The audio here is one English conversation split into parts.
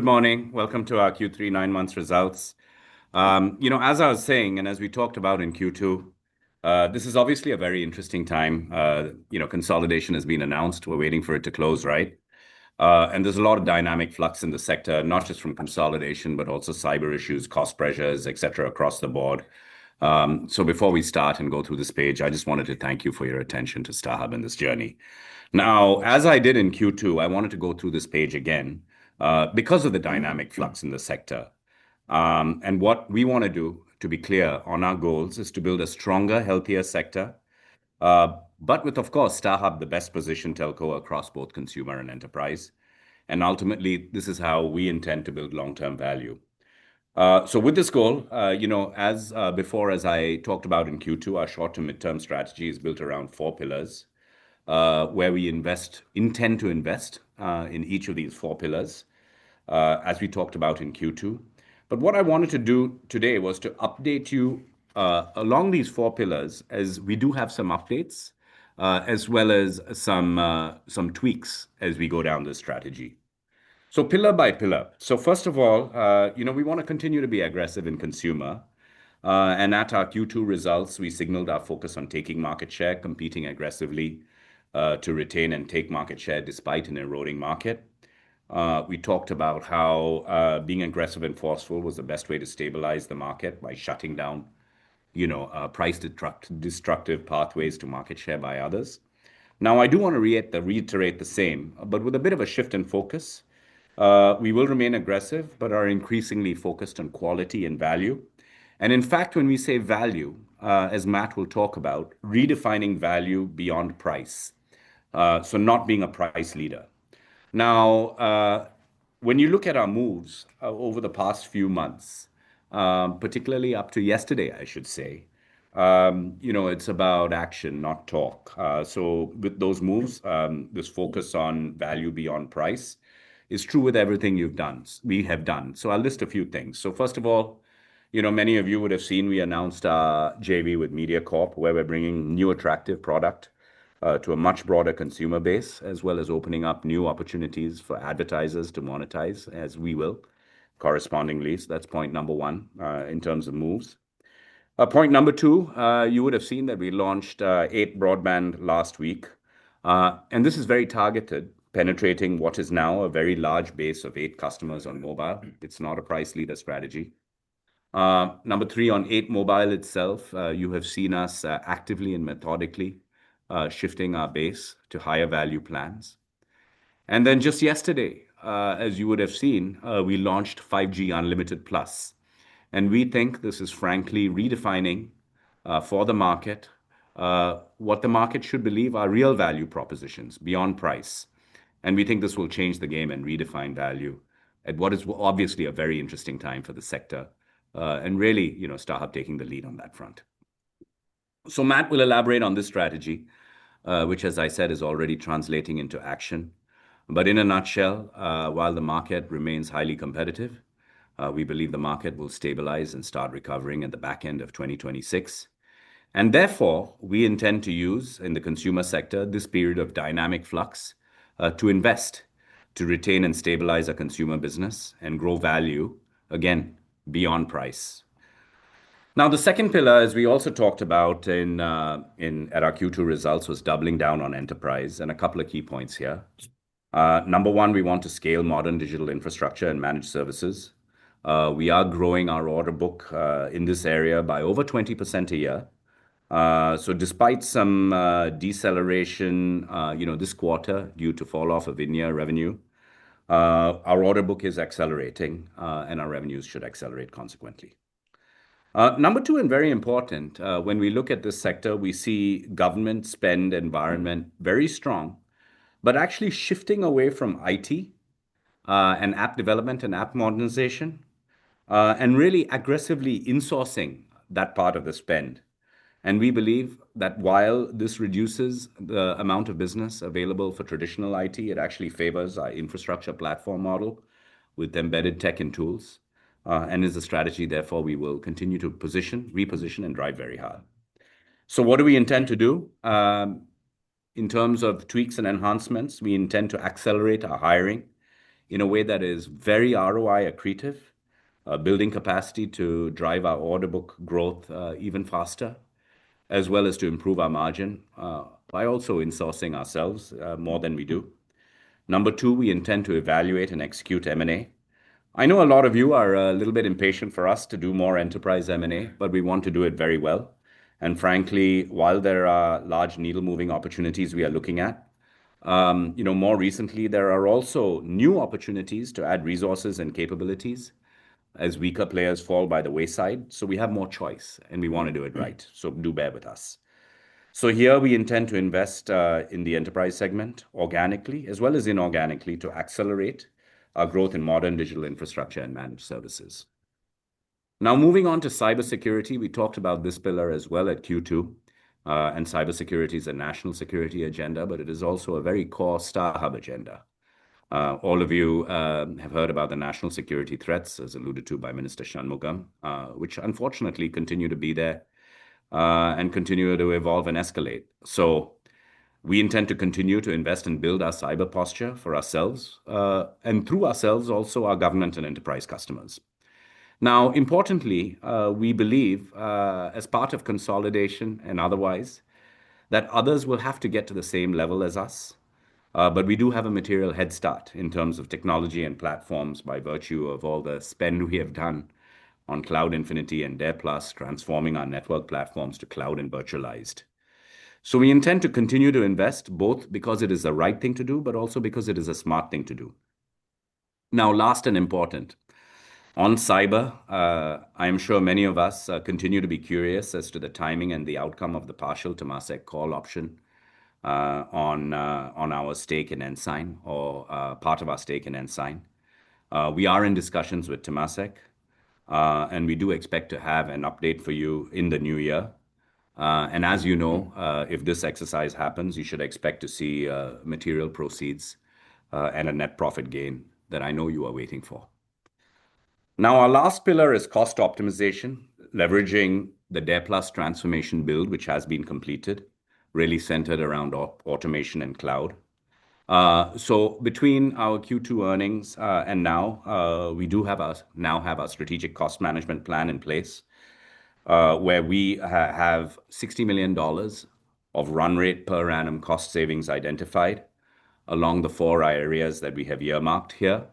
Good morning. Welcome to our Q3 nine-month results. You know, as I was saying, and as we talked about in Q2, this is obviously a very interesting time. You know, consolidation has been announced. We're waiting for it to close, right? There's a lot of dynamic flux in the sector, not just from consolidation, but also cyber issues, cost pressures, et cetera, across the board. Before we start and go through this page, I just wanted to thank you for your attention to StarHub and this journey. Now, as I did in Q2, I wanted to go through this page again because of the dynamic flux in the sector. What we want to do, to be clear on our goals, is to build a stronger, healthier sector, but with, of course, StarHub the best positioned telco across both consumer and enterprise. Ultimately, this is how we intend to build long-term value. With this goal, you know, as before, as I talked about in Q2, our short- to mid-term strategy is built around four pillars, where we intend to invest in each of these four pillars, as we talked about in Q2. What I wanted to do today was to update you along these four pillars, as we do have some updates, as well as some tweaks as we go down the strategy. Pillar by pillar. First of all, you know, we want to continue to be aggressive in consumer. At our Q2 results, we signaled our focus on taking market share, competing aggressively to retain and take market share despite an eroding market. We talked about how being aggressive and forceful was the best way to stabilize the market by shutting down, you know, price-destructive pathways to market share by others. Now, I do want to reiterate the same, but with a bit of a shift in focus. We will remain aggressive, but are increasingly focused on quality and value. In fact, when we say value, as Matt will talk about, redefining value beyond price. Not being a price leader. Now, when you look at our moves over the past few months, particularly up to yesterday, I should say, you know, it's about action, not talk. With those moves, this focus on value beyond price is true with everything you've done, we have done. I'll list a few things. First of all, you know, many of you would have seen we announced our JV with MediaCorp, where we're bringing new attractive product to a much broader consumer base, as well as opening up new opportunities for advertisers to monetize, as we will correspondingly. That's point number one in terms of moves. Point number two, you would have seen that we launched eight Broadband last week. This is very targeted, penetrating what is now a very large base of eight customers on mobile. It's not a price leader strategy. Number three, on eight Mobile itself, you have seen us actively and methodically shifting our base to higher value plans. Just yesterday, as you would have seen, we launched 5G Unlimited Plus. We think this is frankly redefining for the market what the market should believe are real value propositions beyond price. We think this will change the game and redefine value at what is obviously a very interesting time for the sector. Really, you know, StarHub taking the lead on that front. Matt will elaborate on this strategy, which, as I said, is already translating into action. In a nutshell, while the market remains highly competitive, we believe the market will stabilize and start recovering at the back end of 2026. Therefore, we intend to use in the consumer sector this period of dynamic flux to invest, to retain and stabilize our consumer business and grow value again beyond price. The second pillar, as we also talked about in our Q2 results, was doubling down on enterprise and a couple of key points here. Number one, we want to scale modern digital infrastructure and managed services. We are growing our order book in this area by over 20% a year. Despite some deceleration, you know, this quarter due to falloff of in-year revenue, our order book is accelerating, and our revenues should accelerate consequently. Number two, and very important, when we look at this sector, we see government spend environment very strong, but actually shifting away from IT and app development and app modernization, and really aggressively insourcing that part of the spend. We believe that while this reduces the amount of business available for traditional IT, it actually favors our infrastructure platform model with embedded tech and tools. As a strategy, therefore, we will continue to position, reposition, and drive very hard. What do we intend to do in terms of tweaks and enhancements? We intend to accelerate our hiring in a way that is very ROI accretive, building capacity to drive our order book growth even faster, as well as to improve our margin by also insourcing ourselves more than we do. Number two, we intend to evaluate and execute M&A. I know a lot of you are a little bit impatient for us to do more enterprise M&A, but we want to do it very well. And frankly, while there are large needle-moving opportunities we are looking at, you know, more recently, there are also new opportunities to add resources and capabilities as weaker players fall by the wayside. We have more choice, and we want to do it right. Do bear with us. Here, we intend to invest in the enterprise segment organically, as well as inorganically, to accelerate our growth in modern digital infrastructure and managed services. Now, moving on to cybersecurity, we talked about this pillar as well at Q2. Cybersecurity is a national security agenda, but it is also a very core StarHub agenda. All of you have heard about the national security threats, as alluded to by Minister Shanmugam, which unfortunately continue to be there and continue to evolve and escalate. We intend to continue to invest and build our cyber posture for ourselves and through ourselves, also our government and enterprise customers. Importantly, we believe, as part of consolidation and otherwise, that others will have to get to the same level as us. We do have a material head start in terms of technology and platforms by virtue of all the spend we have done on Cloud Infinity and DARE+, transforming our network platforms to cloud and virtualized. We intend to continue to invest, both because it is the right thing to do, but also because it is a smart thing to do. Now, last and important, on cyber, I am sure many of us continue to be curious as to the timing and the outcome of the partial Temasek call option on our stake in Ensign or part of our stake in Ensign. We are in discussions with Temasek, and we do expect to have an update for you in the new year. As you know, if this exercise happens, you should expect to see material proceeds and a net profit gain that I know you are waiting for. Now, our last pillar is cost optimization, leveraging the DARE+ transformation build, which has been completed, really centered around automation and cloud. Between our Q2 earnings and now, we do now have our strategic cost management plan in place, where we have 60 million dollars of run rate per annum cost savings identified along the four areas that we have earmarked here.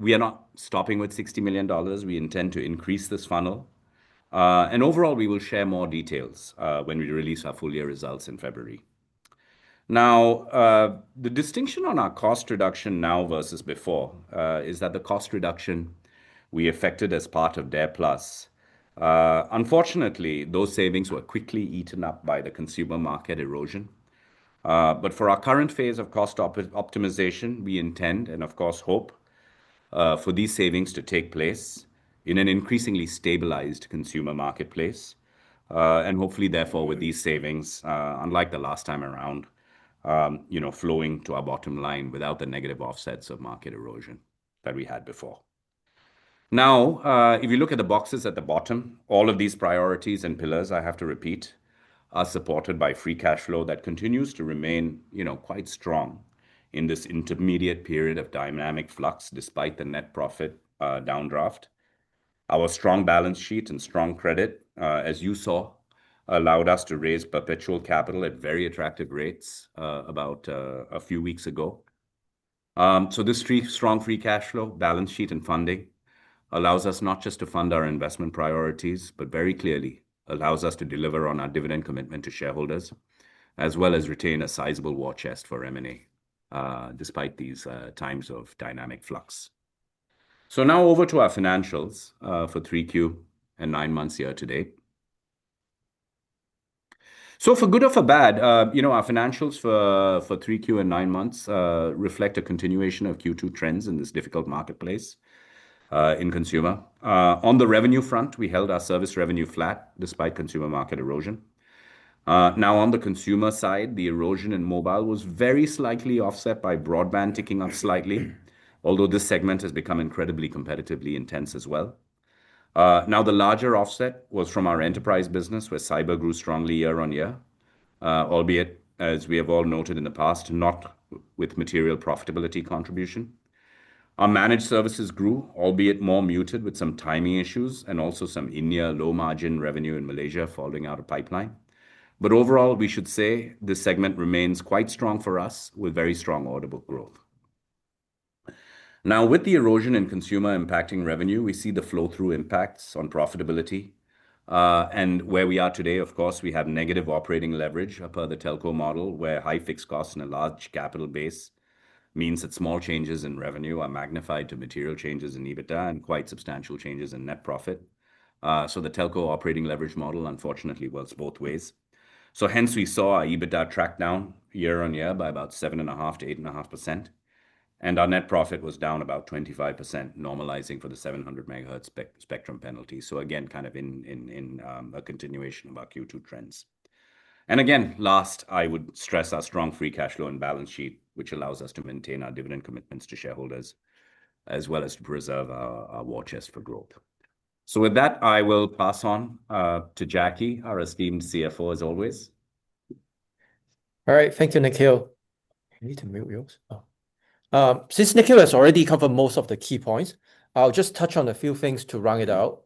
We are not stopping with 60 million dollars. We intend to increase this funnel. Overall, we will share more details when we release our full year results in February. Now, the distinction on our cost reduction now versus before is that the cost reduction we effected as part of DARE+, unfortunately, those savings were quickly eaten up by the consumer market erosion. For our current phase of cost optimization, we intend, and of course, hope for these savings to take place in an increasingly stabilized consumer marketplace. Hopefully, therefore, with these savings, unlike the last time around, you know, flowing to our bottom line without the negative offsets of market erosion that we had before. Now, if you look at the boxes at the bottom, all of these priorities and pillars, I have to repeat, are supported by free cash flow that continues to remain, you know, quite strong in this intermediate period of dynamic flux despite the net profit downdraft. Our strong balance sheet and strong credit, as you saw, allowed us to raise perpetual capital at very attractive rates about a few weeks ago. This strong free cash flow, balance sheet, and funding allows us not just to fund our investment priorities, but very clearly allows us to deliver on our dividend commitment to shareholders, as well as retain a sizable war chest for M&A despite these times of dynamic flux. Now over to our financials for 3Q and nine months year to date. For good or for bad, you know, our financials for 3Q and nine months reflect a continuation of Q2 trends in this difficult marketplace in consumer. On the revenue front, we held our service revenue flat despite consumer market erosion. Now, on the consumer side, the erosion in mobile was very slightly offset by Broadband ticking up slightly, although this segment has become incredibly competitively intense as well. The larger offset was from our enterprise business, where cyber grew strongly year on year, albeit as we have all noted in the past, not with material profitability contribution. Our managed services grew, albeit more muted with some timing issues and also some in-year low margin revenue in Malaysia falling out of pipeline. Overall, we should say this segment remains quite strong for us with very strong audible growth. Now, with the erosion in consumer impacting revenue, we see the flow-through impacts on profitability. Where we are today, of course, we have negative operating leverage per the telco model, where high fixed costs and a large capital base means that small changes in revenue are magnified to material changes in EBITDA and quite substantial changes in net profit. The telco operating leverage model, unfortunately, works both ways. Hence, we saw our EBITDA track down year on year by about 7.5-8.5%. Our net profit was down about 25%, normalizing for the 700 megahertz spectrum penalty. Again, kind of in a continuation of our Q2 trends. Again, last, I would stress our strong free cash flow and balance sheet, which allows us to maintain our dividend commitments to shareholders, as well as to preserve our war chest for growth. With that, I will pass on to Jacky, our esteemed CFO, as always. All right, thank you, Nikhil. I need to mute yours. Since Nikhil has already covered most of the key points, I'll just touch on a few things to round it out.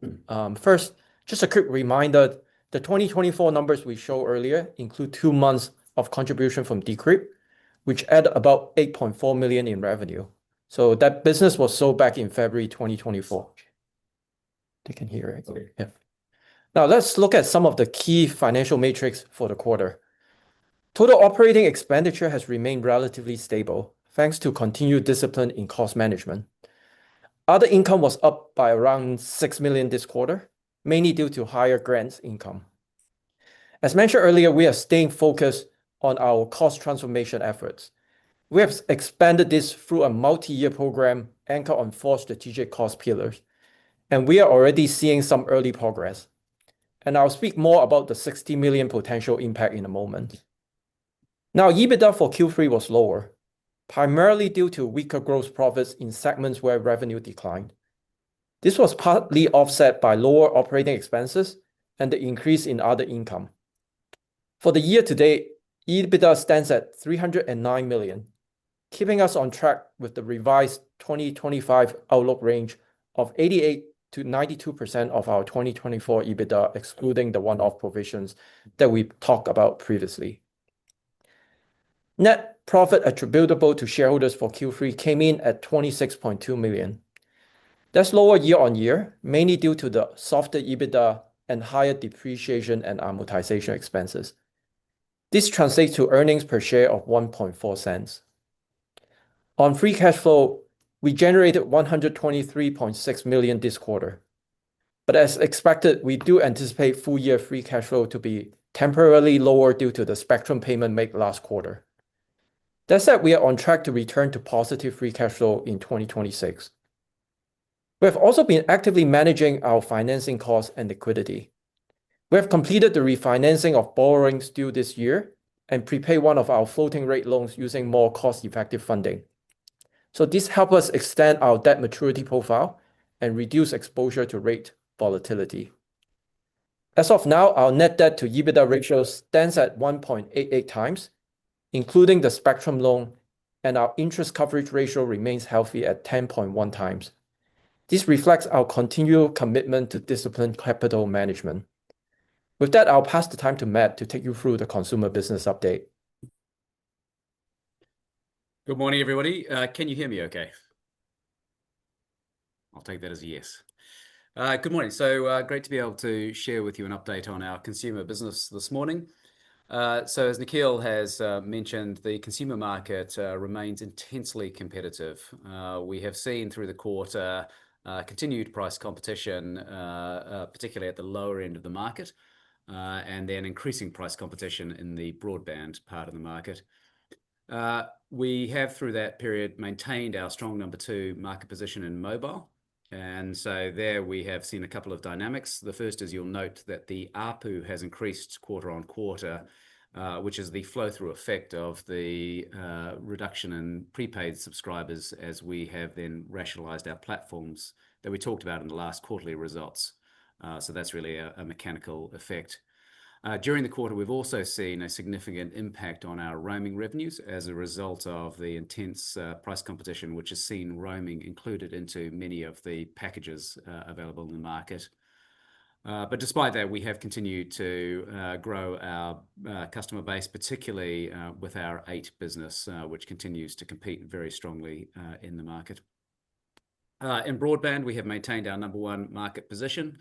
First, just a quick reminder, the 2024 numbers we showed earlier include two months of contribution from D'Crypt, which added about 8.4 million in revenue. That business was sold back in February 2024. They can hear it. Yeah. Now, let's look at some of the key financial metrics for the quarter. Total operating expenditure has remained relatively stable thanks to continued discipline in cost management. Other income was up by around 6 million this quarter, mainly due to higher grants income. As mentioned earlier, we are staying focused on our cost transformation efforts. We have expanded this through a multi-year program anchored on four strategic cost pillars, and we are already seeing some early progress. I will speak more about the 60 million potential impact in a moment. Now, EBITDA for Q3 was lower, primarily due to weaker gross profits in segments where revenue declined. This was partly offset by lower operating expenses and the increase in other income. For the year to date, EBITDA stands at 309 million, keeping us on track with the revised 2025 outlook range of 88%-92% of our 2024 EBITDA, excluding the one-off provisions that we talked about previously. Net profit attributable to shareholders for Q3 came in at 26.2 million. That's lower year on year, mainly due to the softer EBITDA and higher depreciation and amortization expenses. This translates to earnings per share of 0.014. On free cash flow, we generated 123.6 million this quarter. We do anticipate full year free cash flow to be temporarily lower due to the spectrum payment made last quarter. That said, we are on track to return to positive free cash flow in 2026. We have also been actively managing our financing costs and liquidity. We have completed the refinancing of borrowings due this year and prepaid one of our floating rate loans using more cost-effective funding. This helps us extend our debt maturity profile and reduce exposure to rate volatility. As of now, our net debt to EBITDA ratio stands at 1.88 times, including the spectrum loan, and our interest coverage ratio remains healthy at 10.1 times. This reflects our continual commitment to disciplined capital management. With that, I'll pass the time to Matt to take you through the consumer business update. Good morning, everybody. Can you hear me okay? I'll take that as a yes. Good morning. Great to be able to share with you an update on our consumer business this morning. As Nikhil has mentioned, the consumer market remains intensely competitive. We have seen through the quarter continued price competition, particularly at the lower end of the market, and then increasing price competition in the Broadband part of the market. We have, through that period, maintained our strong number two market position in mobile. There, we have seen a couple of dynamics. The first is, you'll note that the APU has increased quarter on quarter, which is the flow-through effect of the reduction in prepaid subscribers as we have then rationalized our platforms that we talked about in the last quarterly results. That's really a mechanical effect. During the quarter, we've also seen a significant impact on our roaming revenues as a result of the intense price competition, which has seen roaming included into many of the packages available in the market. Despite that, we have continued to grow our customer base, particularly with our 8 business, which continues to compete very strongly in the market. In broadband, we have maintained our number one market position.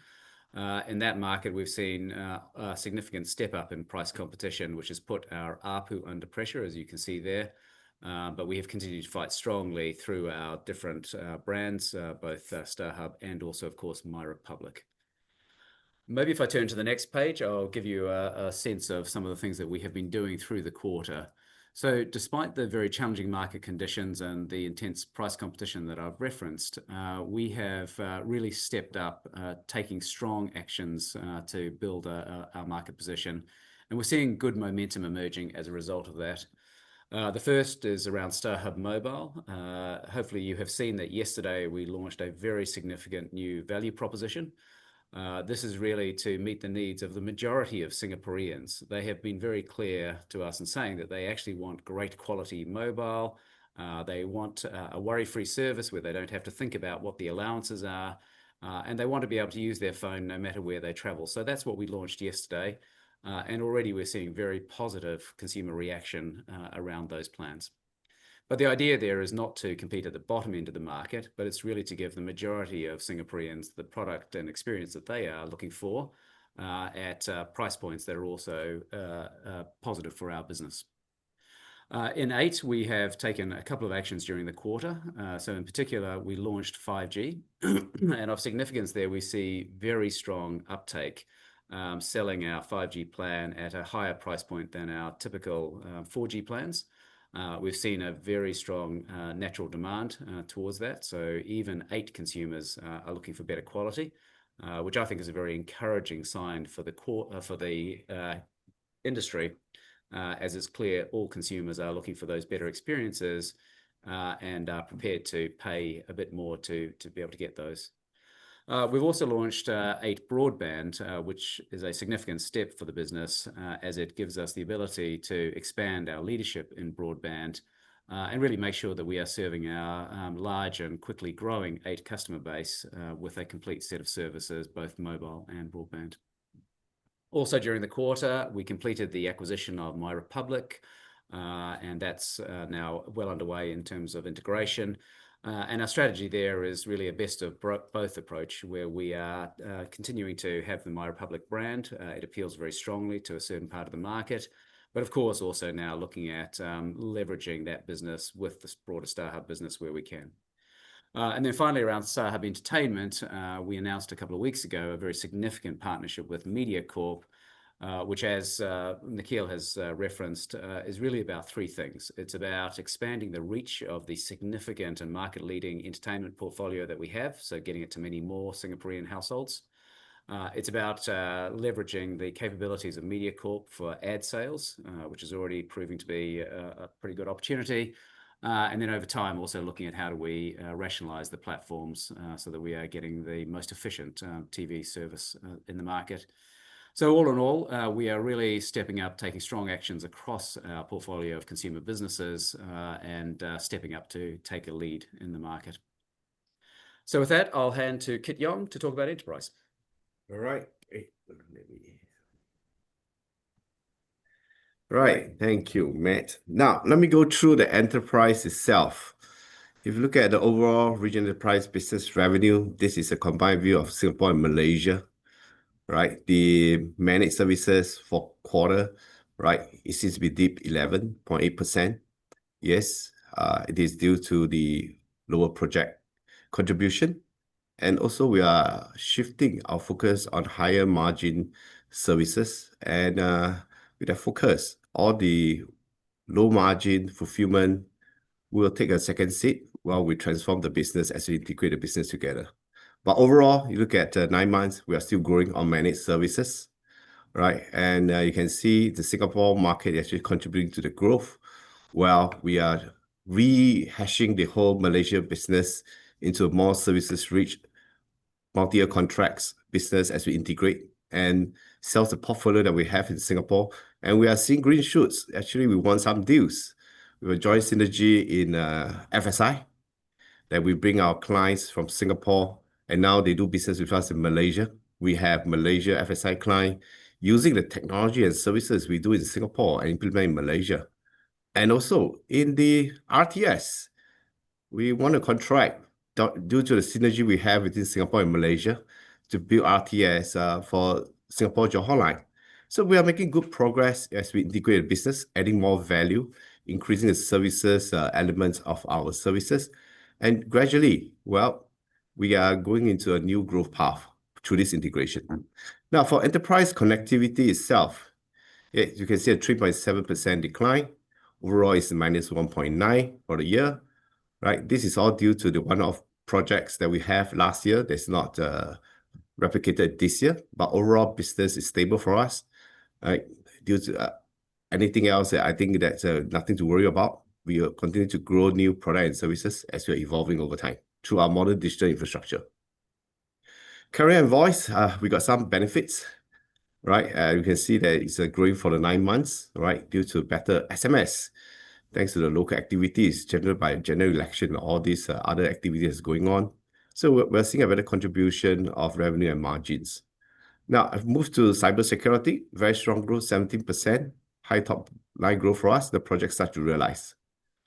In that market, we've seen a significant step up in price competition, which has put our APU under pressure, as you can see there. We have continued to fight strongly through our different brands, both StarHub and also, of course, MyRepublic. If I turn to the next page, I'll give you a sense of some of the things that we have been doing through the quarter. Despite the very challenging market conditions and the intense price competition that I've referenced, we have really stepped up, taking strong actions to build our market position. We're seeing good momentum emerging as a result of that. The first is around StarHub Mobile. Hopefully, you have seen that yesterday we launched a very significant new value proposition. This is really to meet the needs of the majority of Singaporeans. They have been very clear to us in saying that they actually want great quality mobile. They want a worry-free service where they do not have to think about what the allowances are, and they want to be able to use their phone no matter where they travel. That is what we launched yesterday. Already we are seeing very positive consumer reaction around those plans. The idea there is not to compete at the bottom end of the market, it is really to give the majority of Singaporeans the product and experience that they are looking for at price points that are also positive for our business. In 8, we have taken a couple of actions during the quarter. In particular, we launched 5G. Of significance there, we see very strong uptake, selling our 5G plan at a higher price point than our typical 4G plans. We have seen a very strong natural demand towards that. Even eight Mobile consumers are looking for better quality, which I think is a very encouraging sign for the industry, as it's clear all consumers are looking for those better experiences and are prepared to pay a bit more to be able to get those. We've also launched eight Broadband, which is a significant step for the business as it gives us the ability to expand our leadership in Broadband and really make sure that we are serving our large and quickly growing eight Mobile customer base with a complete set of services, both mobile and Broadband. Also, during the quarter, we completed the acquisition of MyRepublic, and that's now well underway in terms of integration. Our strategy there is really a best of both approach, where we are continuing to have the MyRepublic brand. It appeals very strongly to a certain part of the market, but of course, also now looking at leveraging that business with the broader StarHub business where we can. Finally, around StarHub Entertainment, we announced a couple of weeks ago a very significant partnership with MediaCorp, which, as Nikhil has referenced, is really about three things. It is about expanding the reach of the significant and market-leading entertainment portfolio that we have, so getting it to many more Singaporean households. It is about leveraging the capabilities of MediaCorp for ad sales, which is already proving to be a pretty good opportunity. Over time, also looking at how do we rationalize the platforms so that we are getting the most efficient TV service in the market. All in all, we are really stepping up, taking strong actions across our portfolio of consumer businesses and stepping up to take a lead in the market. With that, I'll hand to Kit Yong to talk about enterprise. All right. Thank you, Matt. Now, let me go through the enterprise itself. If you look at the overall region enterprise business revenue, this is a combined view of Singapore and Malaysia. Right? The managed services for quarter, right, it seems to be dip 11.8%. Yes, it is due to the lower project contribution. Also, we are shifting our focus on higher margin services. With that focus, all the low margin fulfillment will take a second seat while we transform the business as we integrate the business together. Overall, you look at nine months, we are still growing on managed services. Right? You can see the Singapore market is actually contributing to the growth while we are rehashing the whole Malaysia business into a more services-rich multi-year contracts business as we integrate and sell the portfolio that we have in Singapore. We are seeing green shoots. Actually, we won some deals. We were joined Synergy in FSI that we bring our clients from Singapore, and now they do business with us in Malaysia. We have Malaysia FSI clients using the technology and services we do in Singapore and implement in Malaysia. Also in the RTS, we want to contract due to the synergy we have within Singapore and Malaysia to build RTS for Singapore Johor Line. We are making good progress as we integrate the business, adding more value, increasing the services elements of our services. Gradually, we are going into a new growth path through this integration. Now, for enterprise connectivity itself, you can see a 3.7% decline. Overall, it's minus 1.9% for the year. This is all due to the one-off projects that we had last year that's not replicated this year. Overall, business is stable for us. Due to anything else, I think that's nothing to worry about. We continue to grow new products and services as we're evolving over time through our modern digital infrastructure. Career and voice, we got some benefits. You can see that it's growing for the nine months, due to better SMS thanks to the local activities generated by general election and all these other activities going on. We're seeing a better contribution of revenue and margins. Now, I've moved to cybersecurity. Very strong growth, 17%, high top line growth for us. The project starts to realize.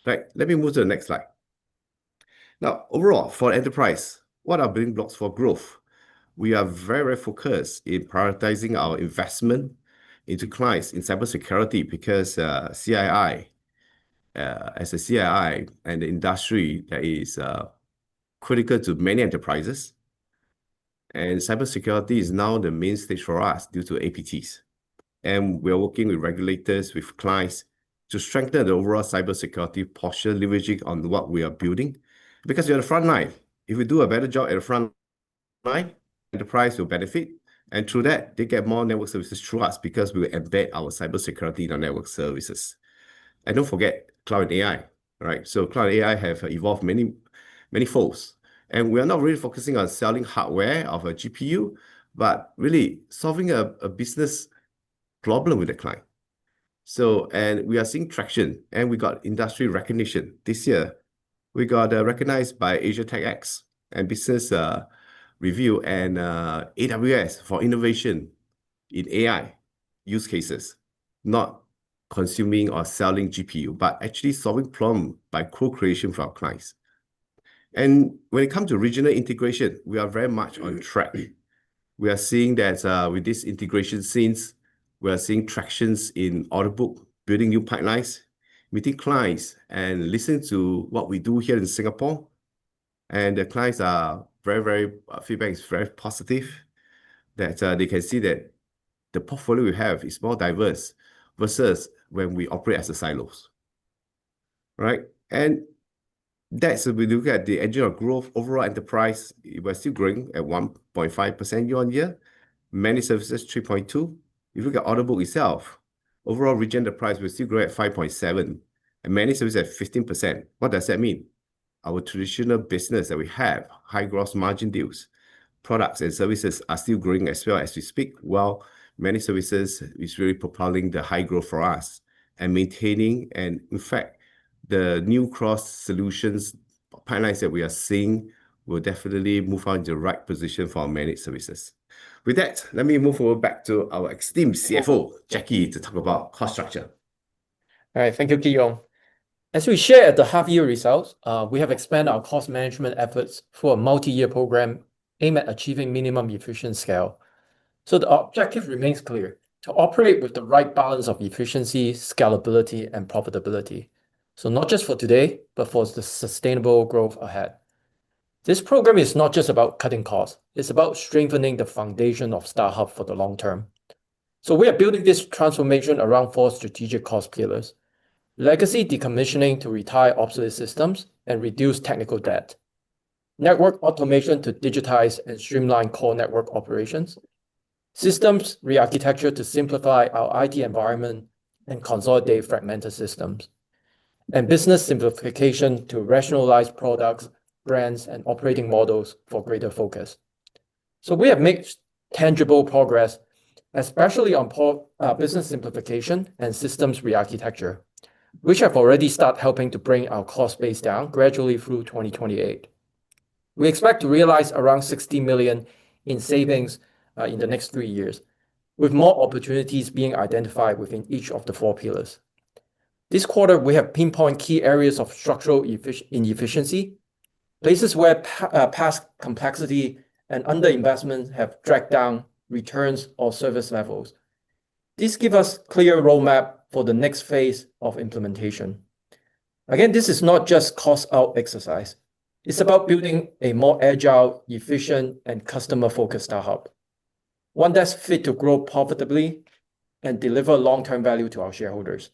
Right? Let me move to the next slide. Now, overall, for enterprise, what are building blocks for growth? We are very, very focused in prioritizing our investment into clients in cybersecurity because CII, as a CII and the industry that is critical to many enterprises. Cybersecurity is now the main stage for us due to APTs. We are working with regulators, with clients to strengthen the overall cybersecurity posture, leveraging on what we are building because we are the front line. If we do a better job at the front line, enterprise will benefit. Through that, they get more network services through us because we will embed our cybersecurity in our network services. Do not forget cloud and AI. Cloud and AI have evolved many, many folds. We are not really focusing on selling hardware of a GPU, but really solving a business problem with the client. We are seeing traction. We got industry recognition this year. We got recognized by Asia Tech X and Business Review and AWS for innovation in AI use cases, not consuming or selling GPU, but actually solving problems by co-creation for our clients. When it comes to regional integration, we are very much on track. We are seeing that with this integration, we are seeing tractions in order book, building new pipelines, meeting clients, and listening to what we do here in Singapore. The clients' feedback is very positive that they can see that the portfolio we have is more diverse versus when we operate as silos. Right? If we look at the engine of growth, overall enterprise, we're still growing at 1.5% year on year. Many services, 3.2%. If you look at order book itself, overall region enterprise, we're still growing at 5.7% and many services at 15%. What does that mean? Our traditional business that we have, high gross margin deals, products and services are still growing as well as we speak. Many services is really propelling the high growth for us and maintaining. In fact, the new cross solutions pipelines that we are seeing will definitely move out into the right position for our managed services. With that, let me move forward back to our esteemed CFO, Jacky, to talk about cost structure. All right. Thank you, Kit Yong. As we shared at the half-year results, we have expanded our cost management efforts for a multi-year program aimed at achieving minimum efficient scale. The objective remains clear: to operate with the right balance of efficiency, scalability, and profitability. Not just for today, but for the sustainable growth ahead. This program is not just about cutting costs. It is about strengthening the foundation of StarHub for the long term. We are building this transformation around four strategic cost pillars: legacy decommissioning to retire obsolete systems and reduce technical debt, network automation to digitize and streamline core network operations, systems re-architecture to simplify our IT environment and consolidate fragmented systems, and business simplification to rationalize products, brands, and operating models for greater focus. We have made tangible progress, especially on business simplification and systems re-architecture, which have already started helping to bring our cost base down gradually through 2028. We expect to realize around 60 million in savings in the next three years, with more opportunities being identified within each of the four pillars. This quarter, we have pinpointed key areas of structural inefficiency, places where past complexity and underinvestment have dragged down returns or service levels. This gives us a clear roadmap for the next phase of implementation. Again, this is not just a cost-out exercise. It's about building a more agile, efficient, and customer-focused StarHub, one that's fit to grow profitably and deliver long-term value to our shareholders.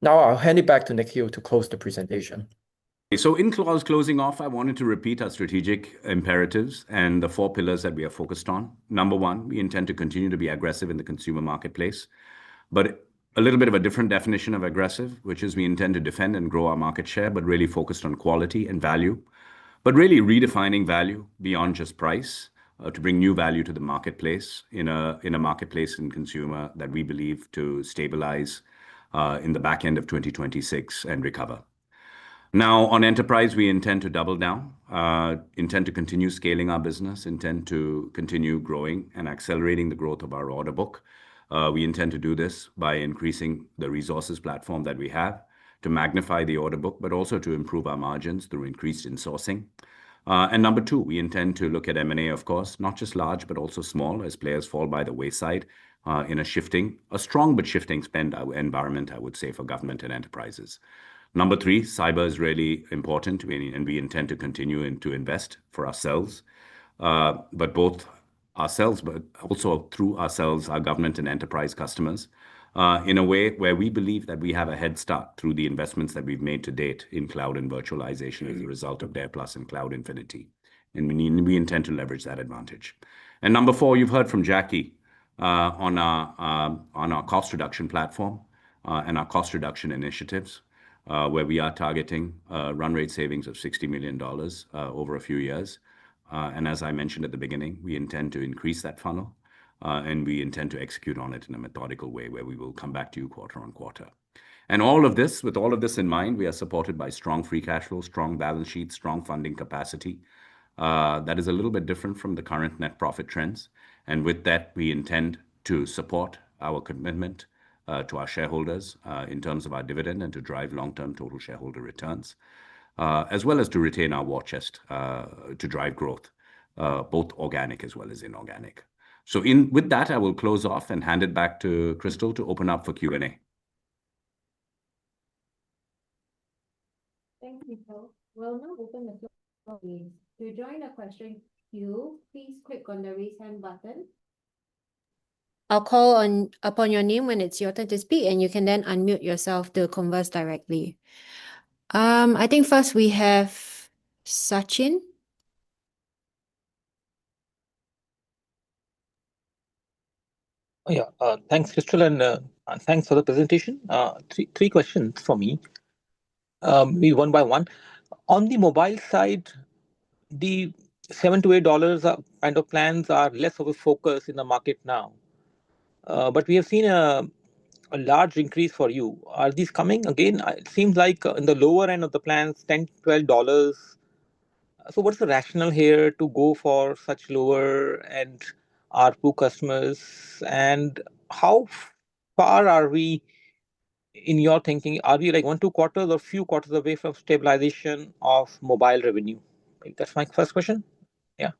Now, I'll hand it back to Nikhil to close the presentation. In closing, I wanted to repeat our strategic imperatives and the four pillars that we are focused on. Number one, we intend to continue to be aggressive in the consumer marketplace, but a little bit of a different definition of aggressive, which is we intend to defend and grow our market share, but really focused on quality and value, but really redefining value beyond just price to bring new value to the marketplace in a marketplace and consumer that we believe to stabilize in the back end of 2026 and recover. Now, on enterprise, we intend to double down, intend to continue scaling our business, intend to continue growing and accelerating the growth of our order book. We intend to do this by increasing the resources platform that we have to magnify the order book, but also to improve our margins through increased in-sourcing. Number two, we intend to look at M&A, of course, not just large, but also small as players fall by the wayside in a shifting, a strong but shifting spend environment, I would say, for government and enterprises. Number three, cyber is really important, and we intend to continue to invest for ourselves, but both ourselves, but also through ourselves, our government and enterprise customers in a way where we believe that we have a head start through the investments that we've made to date in cloud and virtualization as a result of DARE+ and Cloud Infinity. We intend to leverage that advantage. Number four, you've heard from Jacky on our cost reduction platform and our cost reduction initiatives, where we are targeting run rate savings of 60 million dollars over a few years. As I mentioned at the beginning, we intend to increase that funnel, and we intend to execute on it in a methodical way where we will come back to you quarter on quarter. With all of this in mind, we are supported by strong free cash flow, strong balance sheet, strong funding capacity that is a little bit different from the current net profit trends. With that, we intend to support our commitment to our shareholders in terms of our dividend and to drive long-term total shareholder returns, as well as to retain our war chest to drive growth, both organic as well as inorganic. I will close off and hand it back to Crystal to open up for Q&A. Thank you, Phil. We'll now open the floor to join the question queue. Please click on the raise hand button. I'll call upon your name when it's your turn to speak, and you can then unmute yourself to converse directly. I think first we have Sachin. Yeah, thanks, Crystal, and thanks for the presentation. Three questions for me, one by one. On the mobile side, the $7-$8 kind of plans are less of a focus in the market now, but we have seen a large increase for you. Are these coming again? It seems like in the lower end of the plans, $10, $12. What is the rationale here to go for such lower end ARPU customers? And how far are we in your thinking? Are we like one, two quarters or a few quarters away from stabilization of mobile revenue? That's my first question. Yeah.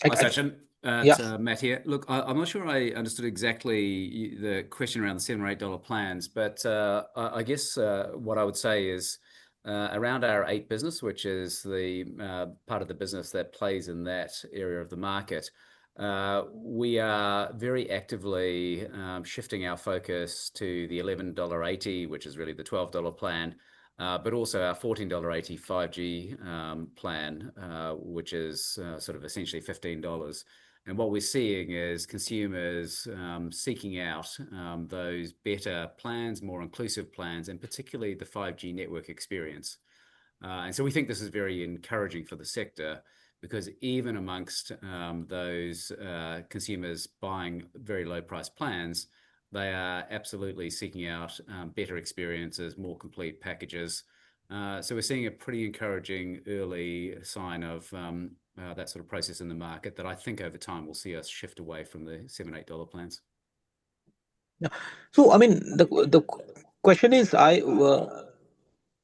Thanks, Sachin. That's Matt here. Look, I'm not sure I understood exactly the question around the $7, $8 plans, but I guess what I would say is around our 8 business, which is the part of the business that plays in that area of the market, we are very actively shifting our focus to the $11.80, which is really the $12 plan, but also our $14.80 5G plan, which is sort of essentially $15. What we're seeing is consumers seeking out those better plans, more inclusive plans, and particularly the 5G network experience. We think this is very encouraging for the sector because even amongst those consumers buying very low-priced plans, they are absolutely seeking out better experiences, more complete packages. We're seeing a pretty encouraging early sign of that sort of process in the market that I think over time will see us shift away from the $7, $8 plans. Yeah. So, I mean, the question is,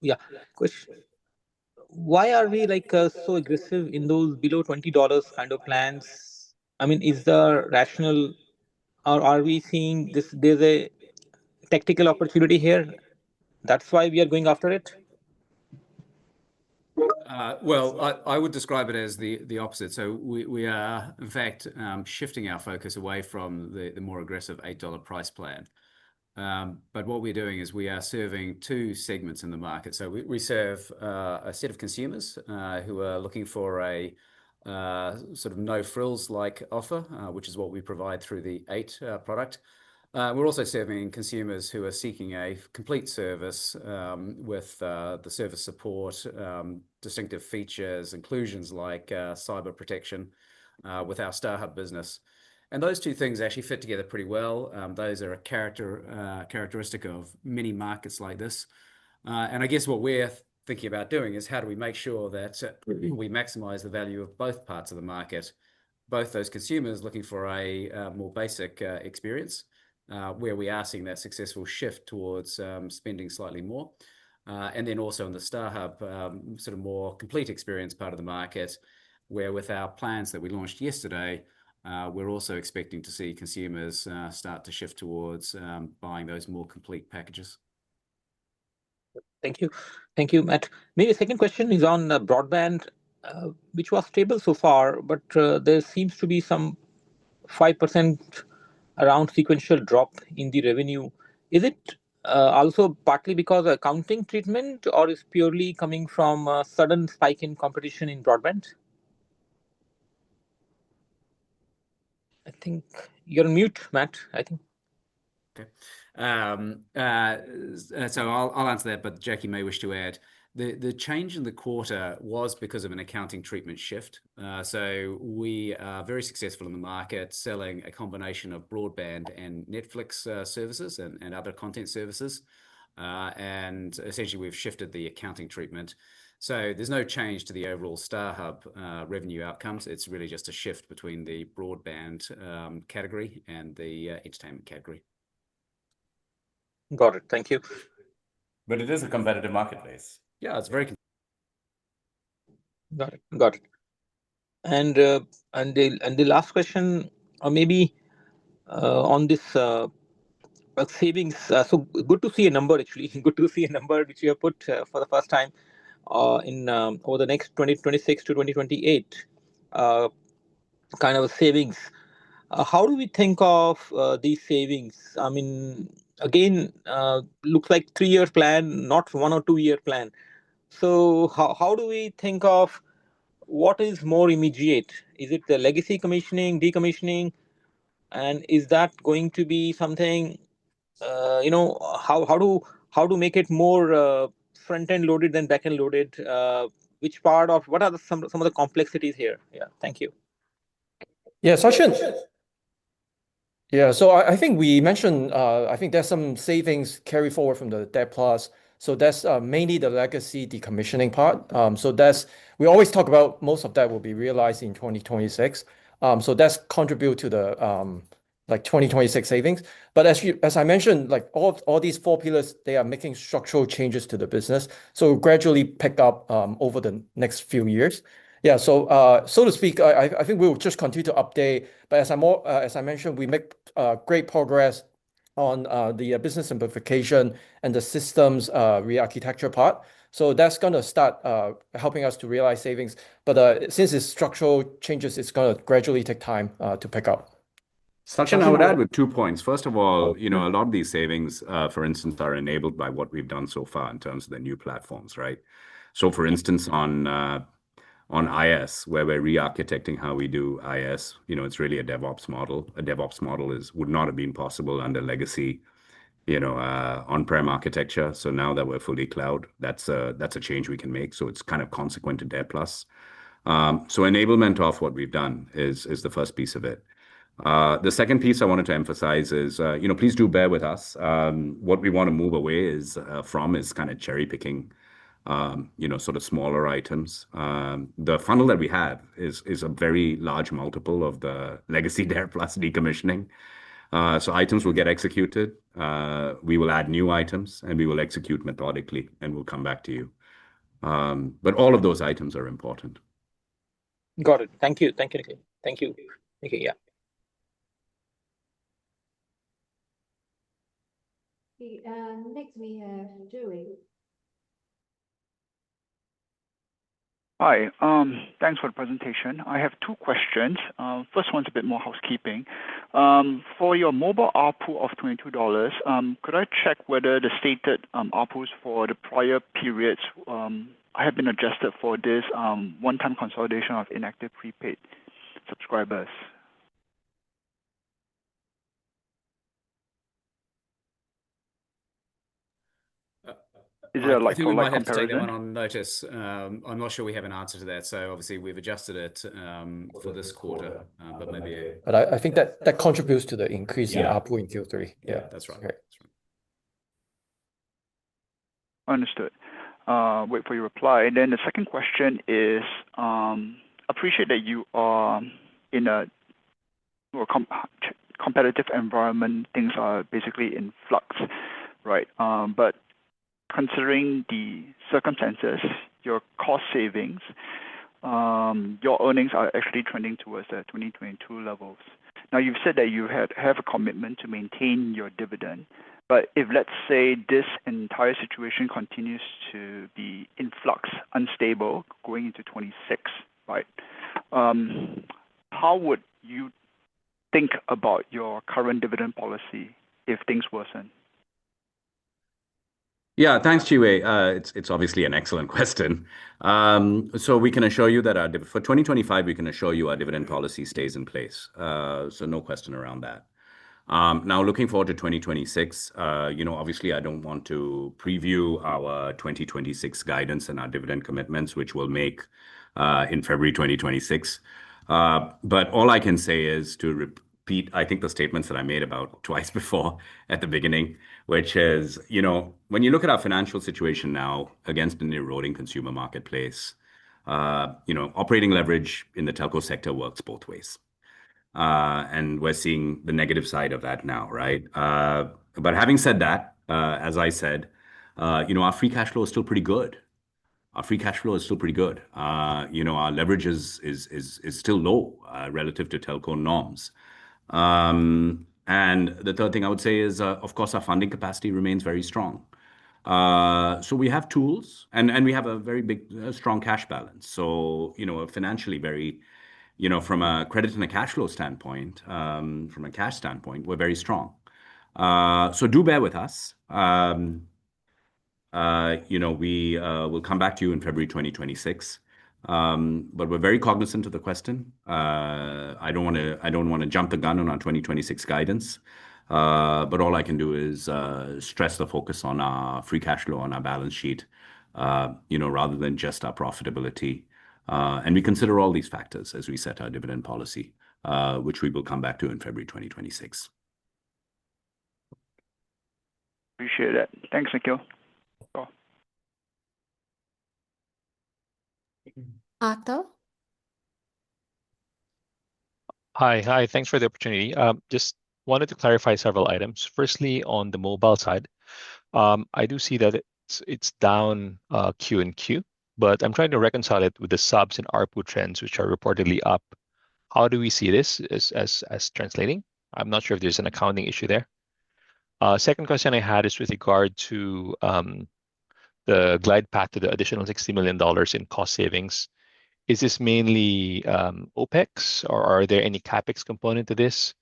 yeah, question, why are we like so aggressive in those below $20 kind of plans? I mean, is there rational, or are we seeing there's a technical opportunity here? That's why we are going after it? I would describe it as the opposite. We are in fact shifting our focus away from the more aggressive 8 dollar price plan. What we're doing is we are serving two segments in the market. We serve a set of consumers who are looking for a sort of no-frills-like offer, which is what we provide through the 8 product. We're also serving consumers who are seeking a complete service with the service support, distinctive features, inclusions like cyber protection with our StarHub business. Those two things actually fit together pretty well. Those are a characteristic of many markets like this. I guess what we're thinking about doing is how do we make sure that we maximize the value of both parts of the market, both those consumers looking for a more basic experience where we are seeing that successful shift towards spending slightly more. Also, in the StarHub, sort of more complete experience part of the market where with our plans that we launched yesterday, we're also expecting to see consumers start to shift towards buying those more complete packages. Thank you. Thank you, Matt. Maybe the second question is on Broadband, which was stable so far, but there seems to be some 5% around sequential drop in the revenue. Is it also partly because of accounting treatment, or is it purely coming from a sudden spike in competition in Broadband? I think you're on mute, Matt. I think. Okay. I'll answer that, but Jacky may wish to add. The change in the quarter was because of an accounting treatment shift. We are very successful in the market selling a combination of Broadband and Netflix services and other content services. Essentially, we've shifted the accounting treatment. There's no change to the overall StarHub revenue outcomes. It's really just a shift between the Broadband category and the entertainment category. Got it. Thank you. It is a competitive marketplace. Yeah, it's very competitive. Got it. Got it. The last question, or maybe on this savings, good to see a number, actually. Good to see a number which you have put for the first time over the next 2026 to 2028, kind of a savings. How do we think of these savings? I mean, again, looks like a three-year plan, not one or two-year plan. How do we think of what is more immediate? Is it the legacy commissioning, decommissioning? Is that going to be something? How to make it more front-end loaded than back-end loaded? Which part of what are some of the complexities here? Thank you. Yeah, Sachin. I think we mentioned, I think there are some savings carried forward from the DARE+. That is mainly the legacy decommissioning part. We always talk about most of that will be realized in 2026. That is contributed to the 2026 savings. As I mentioned, all these four pillars are making structural changes to the business. Gradually pick up over the next few years. So to speak, I think we will just continue to update. As I mentioned, we make great progress on the business simplification and the systems re-architecture part. That's going to start helping us to realize savings. Since it's structural changes, it's going to gradually take time to pick up. Sachin, I would add with two points. First of all, a lot of these savings, for instance, are enabled by what we've done so far in terms of the new platforms, right? For instance, on IS, where we're re-architecting how we do IS, it's really a DevOps model. A DevOps model would not have been possible under legacy on-prem architecture. Now that we're fully cloud, that's a change we can make. It's kind of consequent to DARE+. Enablement of what we've done is the first piece of it. The second piece I wanted to emphasize is, please do bear with us. What we want to move away from is kind of cherry-picking sort of smaller items. The funnel that we have is a very large multiple of the legacy DARE+ decommissioning. Items will get executed. We will add new items, and we will execute methodically, and we'll come back to you. All of those items are important. Got it. Thank you. Thank you. Thank you. Thank you. Yeah. Next, we have Joey. Hi. Thanks for the presentation. I have two questions. First one's a bit more housekeeping. For your mobile ARPU of 22 dollars, could I check whether the stated ARPUs for the prior periods have been adjusted for this one-time consolidation of inactive prepaid subscribers? Is there a comparison? I'm not sure we have an answer to that. Obviously, we've adjusted it for this quarter, but maybe. I think that contributes to the increase in ARPU in Q3. Yeah, that's right. That's right. Understood. Wait for your reply. Then the second question is, I appreciate that you are in a competitive environment. Things are basically in flux, right? Considering the circumstances, your cost savings, your earnings are actually trending towards the 2022 levels. Now, you've said that you have a commitment to maintain your dividend, but if, let's say, this entire situation continues to be in flux, unstable, going into 2026, right? How would you think about your current dividend policy if things worsen? Yeah. Thanks, Chewy. It's obviously an excellent question. We can assure you that for 2025, we can assure you our dividend policy stays in place. No question around that. Now, looking forward to 2026, obviously, I don't want to preview our 2026 guidance and our dividend commitments, which we'll make in February 2026. All I can say is to repeat, I think, the statements that I made about twice before at the beginning, which is, when you look at our financial situation now against the new rolling consumer marketplace, operating leverage in the telco sector works both ways. We're seeing the negative side of that now, right? Having said that, as I said, our free cash flow is still pretty good. Our free cash flow is still pretty good. Our leverage is still low relative to telco norms. The third thing I would say is, of course, our funding capacity remains very strong. We have tools, and we have a very big strong cash balance. Financially, from a credit and a cash flow standpoint, from a cash standpoint, we're very strong. Do bear with us. We will come back to you in February 2026, but we're very cognizant of the question. I don't want to jump the gun on our 2026 guidance. All I can do is stress the focus on our free cash flow on our balance sheet rather than just our profitability. We consider all these factors as we set our dividend policy, which we will come back to in February 2026. Appreciate it. Thanks, Nikhil. Arthur. Hi. Hi. Thanks for the opportunity. Just wanted to clarify several items. Firstly, on the mobile side, I do see that it's down Q and Q, but I'm trying to reconcile it with the subs and ARPU trends, which are reportedly up. How do we see this as translating? I'm not sure if there's an accounting issue there. Second question I had is with regard to the glide path to the additional 60 million dollars in cost savings. Is this mainly OpEx, or are there any CapEx component to this?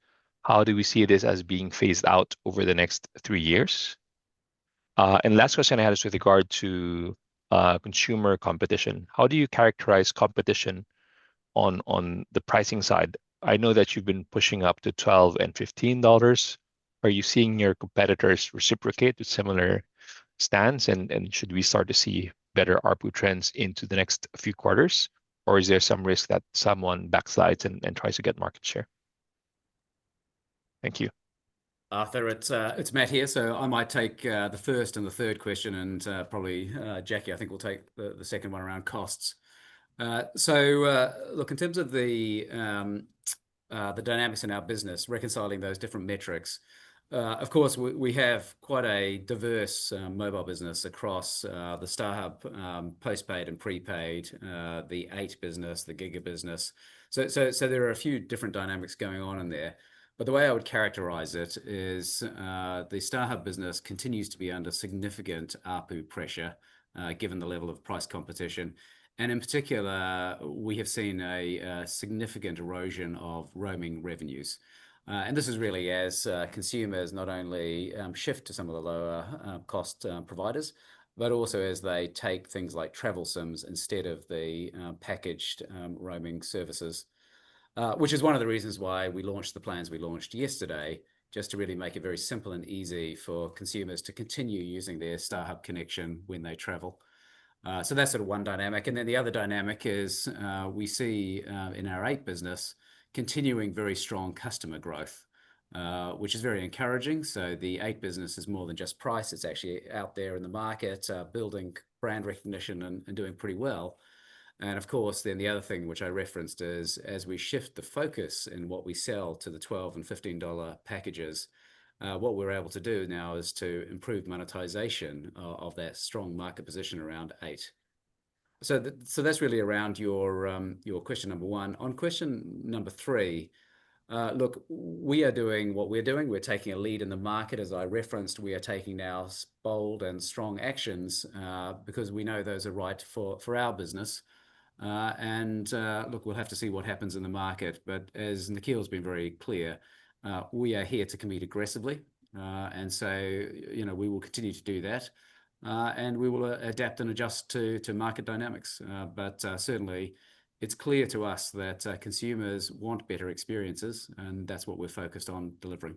How do we see this as being phased out over the next three years? Last question I had is with regard to consumer competition. How do you characterize competition on the pricing side? I know that you've been pushing up to 12 and 15 dollars. Are you seeing your competitors reciprocate with similar stance, and should we start to see better ARPU trends into the next few quarters, or is there some risk that someone backslides and tries to get market share? Thank you. Arthur, it's Matt here. I might take the first and the third question, and probably Jacky, I think, will take the second one around costs. Look, in terms of the dynamics in our business, reconciling those different metrics, of course, we have quite a diverse mobile business across the StarHub, postpaid, and prepaid, the 8 business, the gig business. There are a few different dynamics going on in there. The way I would characterize it is the StarHub business continues to be under significant ARPU pressure given the level of price competition. In particular, we have seen a significant erosion of roaming revenues. This is really as consumers not only shift to some of the lower cost providers, but also as they take things like travel SIMs instead of the packaged roaming services, which is one of the reasons why we launched the plans we launched yesterday, just to really make it very simple and easy for consumers to continue using their StarHub connection when they travel. That's sort of one dynamic. The other dynamic is we see in our 8 business continuing very strong customer growth, which is very encouraging. The 8 business is more than just price. It's actually out there in the market, building brand recognition and doing pretty well. Of course, the other thing which I referenced is as we shift the focus in what we sell to the $12 and $15 packages, what we're able to do now is to improve monetization of that strong market position around 8. That's really around your question number one. On question number three, look, we are doing what we're doing. We're taking a lead in the market. As I referenced, we are taking now bold and strong actions because we know those are right for our business. We'll have to see what happens in the market. But as Nikhil has been very clear, we are here to commit aggressively. We will continue to do that, and we will adapt and adjust to market dynamics. It is clear to us that consumers want better experiences, and that is what we are focused on delivering.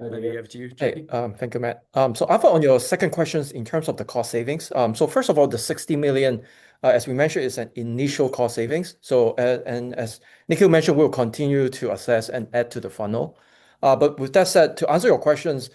Maybe we have to use it. Thank you, Matt. I thought on your second questions in terms of the cost savings. First of all, the 60 million, as we mentioned, is an initial cost savings. As Nikhil mentioned, we will continue to assess and add to the funnel. With that said, to answer your questions,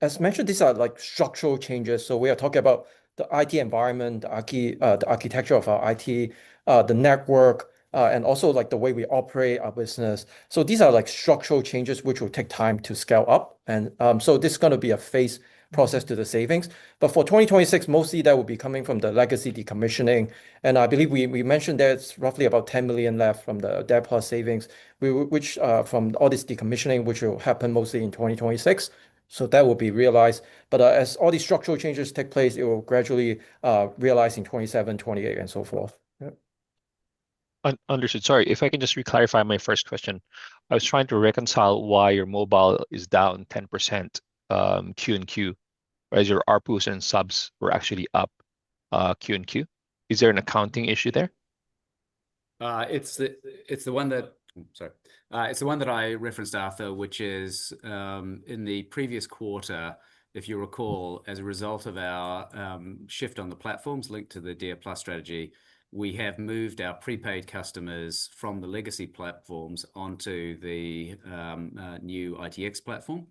as mentioned, these are structural changes. We are talking about the IT environment, the architecture of our IT, the network, and also the way we operate our business. These are structural changes which will take time to scale up. This is going to be a phased process to the savings. For 2026, mostly that will be coming from the legacy decommissioning. I believe we mentioned that it's roughly about 10 million left from the DARE+ savings, which from all this decommissioning, will happen mostly in 2026. That will be realized. As all these structural changes take place, it will gradually realize in 2027, 2028, and so forth. Understood. Sorry, if I can just reclarify my first question. I was trying to reconcile why your mobile is down 10% Q-on-Q, as your ARPUs and subs were actually up Q-on-Q. Is there an accounting issue there? It's the one that, sorry, it's the one that I referenced, Arthur, which is in the previous quarter, if you recall, as a result of our shift on the platforms linked to the DARE+ strategy, we have moved our prepaid customers from the legacy platforms onto the new ITX platform.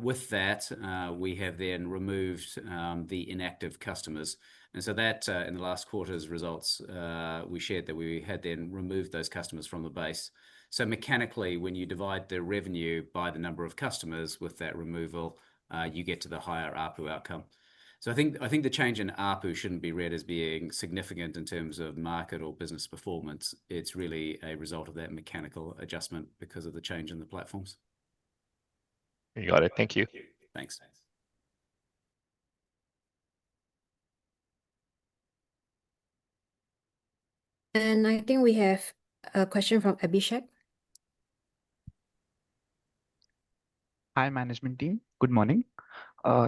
With that, we have then removed the inactive customers. That, in the last quarter's results, we shared that we had then removed those customers from the base. Mechanically, when you divide the revenue by the number of customers with that removal, you get to the higher ARPU outcome. I think the change in ARPU shouldn't be read as being significant in terms of market or business performance. It's really a result of that mechanical adjustment because of the change in the platforms. You got it. Thank you. Thanks. I think we have a question from Abhishek. Hi, management team. Good morning.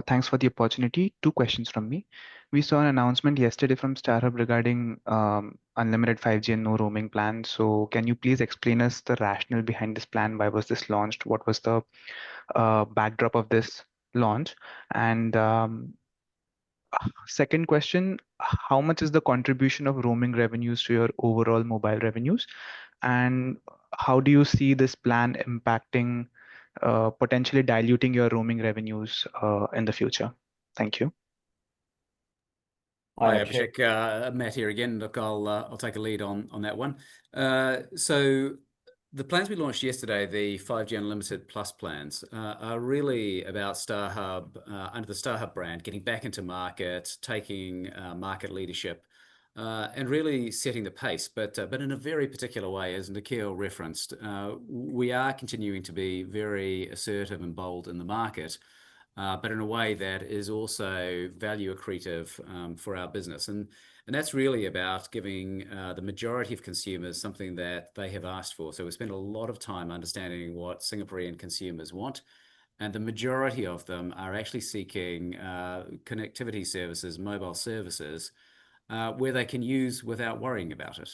Thanks for the opportunity. Two questions from me. We saw an announcement yesterday from StarHub regarding unlimited 5G and no roaming plan. Can you please explain to us the rationale behind this plan? Why was this launched? What was the backdrop of this launch? Second question, how much is the contribution of roaming revenues to your overall mobile revenues? How do you see this plan impacting, potentially diluting your roaming revenues in the future? Thank you. Hi, Abhishek. Matt here again. Look, I'll take a lead on that one. The plans we launched yesterday, the 5G Unlimited Plus plans, are really about StarHub, under the StarHub brand, getting back into market, taking market leadership, and really setting the pace. In a very particular way, as Nikhil referenced, we are continuing to be very assertive and bold in the market, but in a way that is also value accretive for our business. That is really about giving the majority of consumers something that they have asked for. We spend a lot of time understanding what Singaporean consumers want. The majority of them are actually seeking connectivity services, mobile services, where they can use without worrying about it.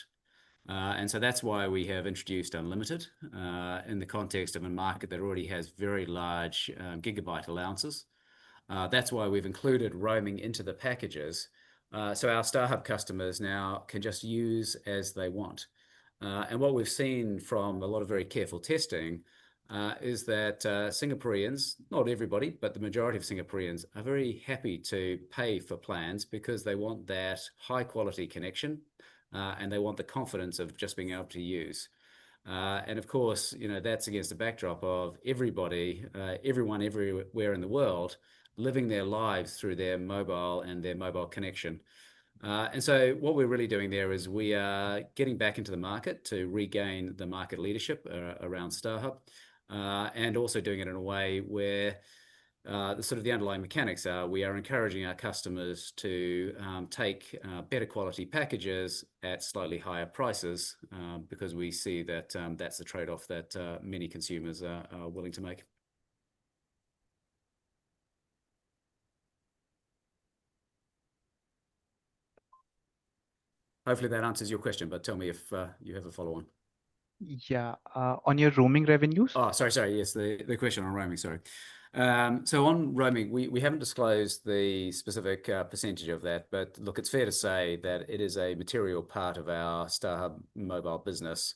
That is why we have introduced Unlimited in the context of a market that already has very large gigabyte allowances. That is why we have included roaming into the packages. Our StarHub customers now can just use as they want. What we've seen from a lot of very careful testing is that Singaporeans, not everybody, but the majority of Singaporeans are very happy to pay for plans because they want that high-quality connection, and they want the confidence of just being able to use. Of course, that's against the backdrop of everybody, everyone everywhere in the world living their lives through their mobile and their mobile connection. What we're really doing there is we are getting back into the market to regain the market leadership around StarHub and also doing it in a way where the sort of the underlying mechanics are we are encouraging our customers to take better quality packages at slightly higher prices because we see that that's the trade-off that many consumers are willing to make. Hopefully, that answers your question, but tell me if you have a follow-on. Yeah. On your roaming revenues? Oh, sorry, sorry. Yes, the question on roaming, sorry. On roaming, we haven't disclosed the specific percentage of that, but look, it's fair to say that it is a material part of our StarHub mobile business.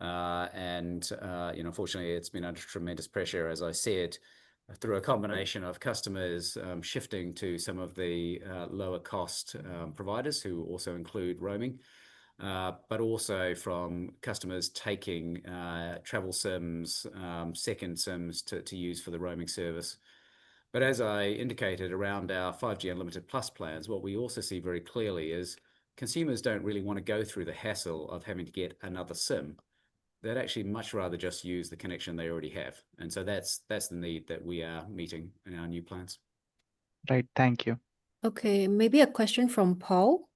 Unfortunately, it's been under tremendous pressure, as I said, through a combination of customers shifting to some of the lower-cost providers who also include roaming, but also from customers taking travel SIMs, second SIMs to use for the roaming service. As I indicated around our 5G Unlimited Plus plans, what we also see very clearly is consumers don't really want to go through the hassle of having to get another SIM. They'd actually much rather just use the connection they already have. That's the need that we are meeting in our new plans. Great. Thank you. Okay. Maybe a question from Paul.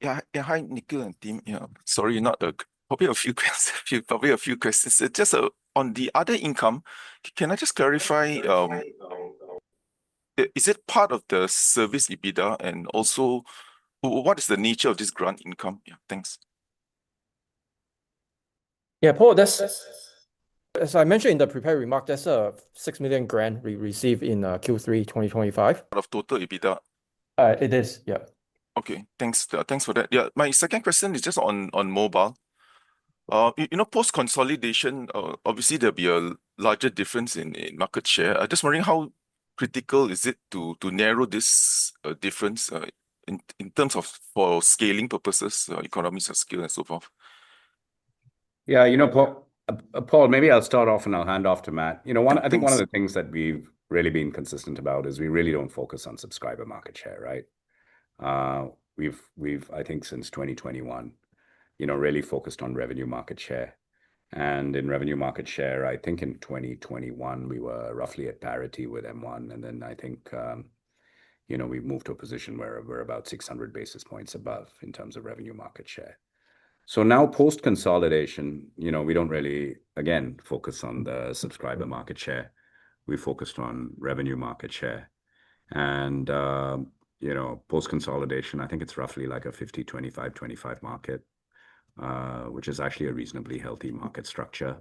Yeah. Hi, Nikhil and team. Sorry, not. Probably a few questions. Just on the other income, can I just clarify? Is it part of the service EBITDA? And also, what is the nature of this grant income? Yeah, thanks. Yeah, Paul, as I mentioned in the prepared remark, that's a 6 million grant we received in Q3 2025. Of total EBITDA? It is. Yeah. Okay. Thanks for that. Yeah. My second question is just on mobile. Post-consolidation, obviously, there'll be a larger difference in market share. I'm just wondering how critical is it to narrow this difference in terms of for scaling purposes, economies of scale, and so forth? Yeah. You know, Paul, maybe I'll start off and I'll hand off to Matt. I think one of the things that we've really been consistent about is we really don't focus on subscriber market share, right? We've, I think, since 2021, really focused on revenue market share. In revenue market share, I think in 2021, we were roughly at parity with M1. I think we've moved to a position where we're about 600 basis points above in terms of revenue market share. Now, post-consolidation, we don't really, again, focus on the subscriber market share. We focused on revenue market share. Post-consolidation, I think it's roughly like a 50-25-25 market, which is actually a reasonably healthy market structure.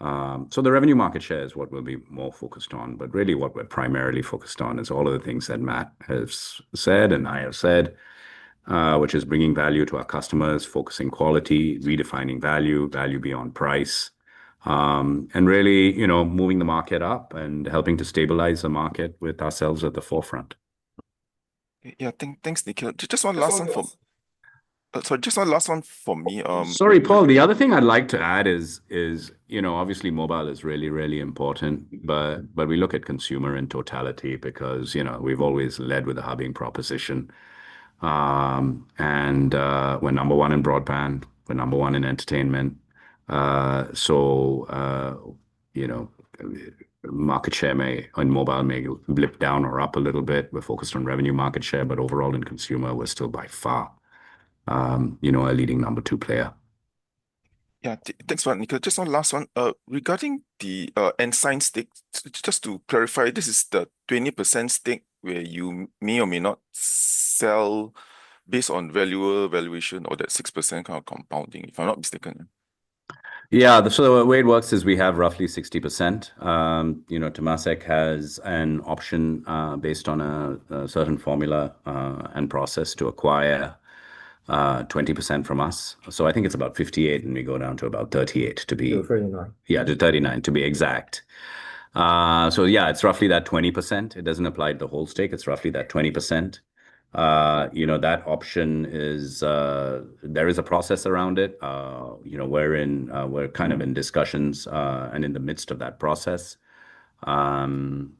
The revenue market share is what we'll be more focused on. Really, what we're primarily focused on is all of the things that Matt has said and I have said, which is bringing value to our customers, focusing quality, redefining value, value beyond price, and really moving the market up and helping to stabilize the market with ourselves at the forefront. Yeah. Thanks, Nikhil. Just one last one for me. Sorry, Paul. The other thing I'd like to add is, obviously, mobile is really, really important, but we look at consumer in totality because we've always led with a hubbing proposition. We're number one in Broadband. We're number one in entertainment. Market share on mobile may blip down or up a little bit. We're focused on revenue market share, but overall in consumer, we're still by far a leading number two player. Yeah. Thanks for that, Nikhil. Just one last one. Regarding the Ensign stake, just to clarify, this is the 20% stake where you may or may not sell based on value or valuation or that 6% kind of compounding, if I'm not mistaken. Yeah. The way it works is we have roughly 60%. Temasek has an option based on a certain formula and process to acquire 20% from us. I think it's about 58, and we go down to about 38 to be. 39. Yeah, to 39, to be exact. It's roughly that 20%. It doesn't apply to the whole stake. It's roughly that 20%. That option is there, there is a process around it. We're kind of in discussions and in the midst of that process. You kind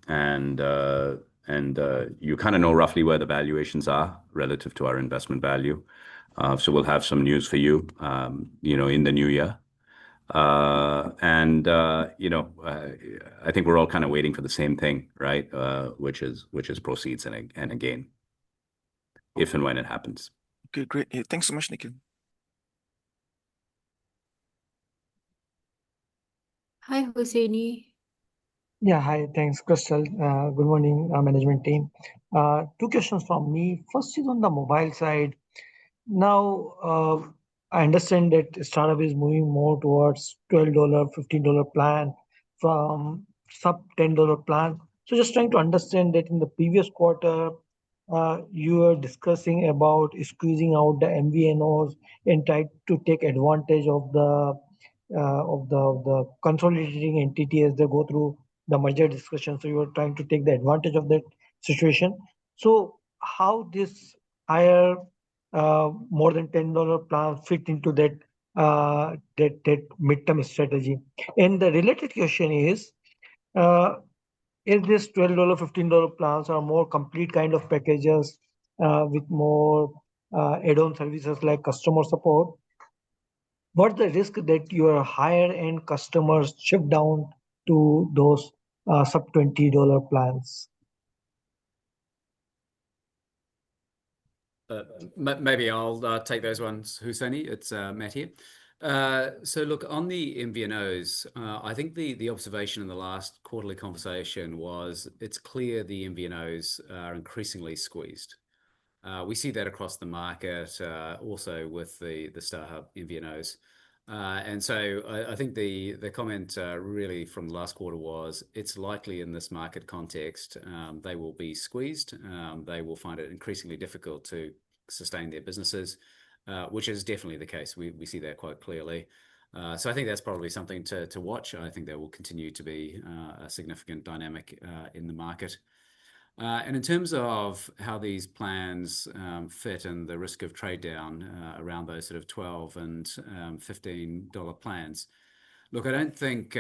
of know roughly where the valuations are relative to our investment value. We'll have some news for you in the new year. I think we're all kind of waiting for the same thing, right, which is proceeds and a gain, if and when it happens. Okay. Great. Thanks so much, Nikhil. Hi, Hoseini. Yeah. Hi. Thanks, Krystal. Good morning, management team. Two questions from me. First is on the mobile side. Now, I understand that StarHub is moving more towards 12 dollar, 15 dollar plan from sub-SGD 10 plan. Just trying to understand that in the previous quarter, you were discussing about squeezing out the MVNOs and trying to take advantage of the consolidating entity as they go through the merger discussion. You were trying to take advantage of that situation. How does this higher, more than 10 dollar plan fit into that midterm strategy? The related question is, is this 12 dollar, 15 dollar plans or more complete kind of packages with more add-on services like customer support? What's the risk that your higher-end customers shift down to those sub-SGD 20 plans? Maybe I'll take those ones, Hoseini. It's Matt here. Look, on the MVNOs, I think the observation in the last quarterly conversation was it's clear the MVNOs are increasingly squeezed. We see that across the market, also with the StarHub MVNOs. I think the comment really from the last quarter was, it's likely in this market context, they will be squeezed. They will find it increasingly difficult to sustain their businesses, which is definitely the case. We see that quite clearly. I think that's probably something to watch. I think there will continue to be a significant dynamic in the market. In terms of how these plans fit and the risk of trade-down around those sort of $12 and $15 plans, look, I don't think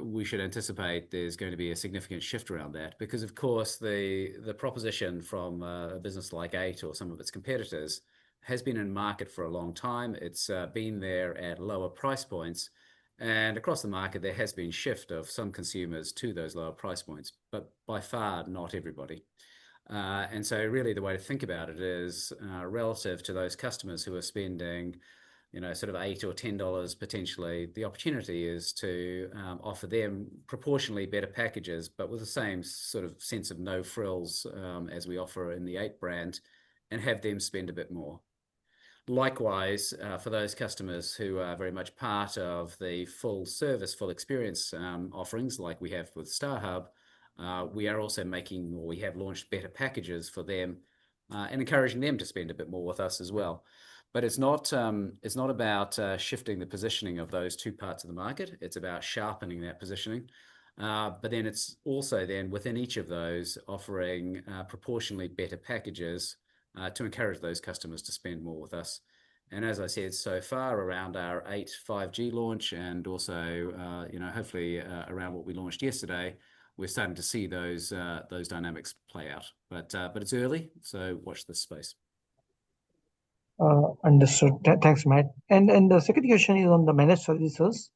we should anticipate there's going to be a significant shift around that because, of course, the proposition from a business like 8 or some of its competitors has been in market for a long time. It's been there at lower price points. Across the market, there has been shift of some consumers to those lower price points, but by far not everybody. Really, the way to think about it is relative to those customers who are spending sort of $8 or $10 potentially, the opportunity is to offer them proportionately better packages, but with the same sort of sense of no-frills as we offer in the 8 Mobile brand and have them spend a bit more. Likewise, for those customers who are very much part of the full service, full experience offerings like we have with StarHub, we are also making or we have launched better packages for them and encouraging them to spend a bit more with us as well. It is not about shifting the positioning of those two parts of the market. It is about sharpening that positioning. But then it's also then within each of those offering proportionately better packages to encourage those customers to spend more with us. As I said, so far around our 8 5G launch and also hopefully around what we launched yesterday, we're starting to see those dynamics play out. It's early, so watch this space. Understood. Thanks, Matt. The second question is on the managed services.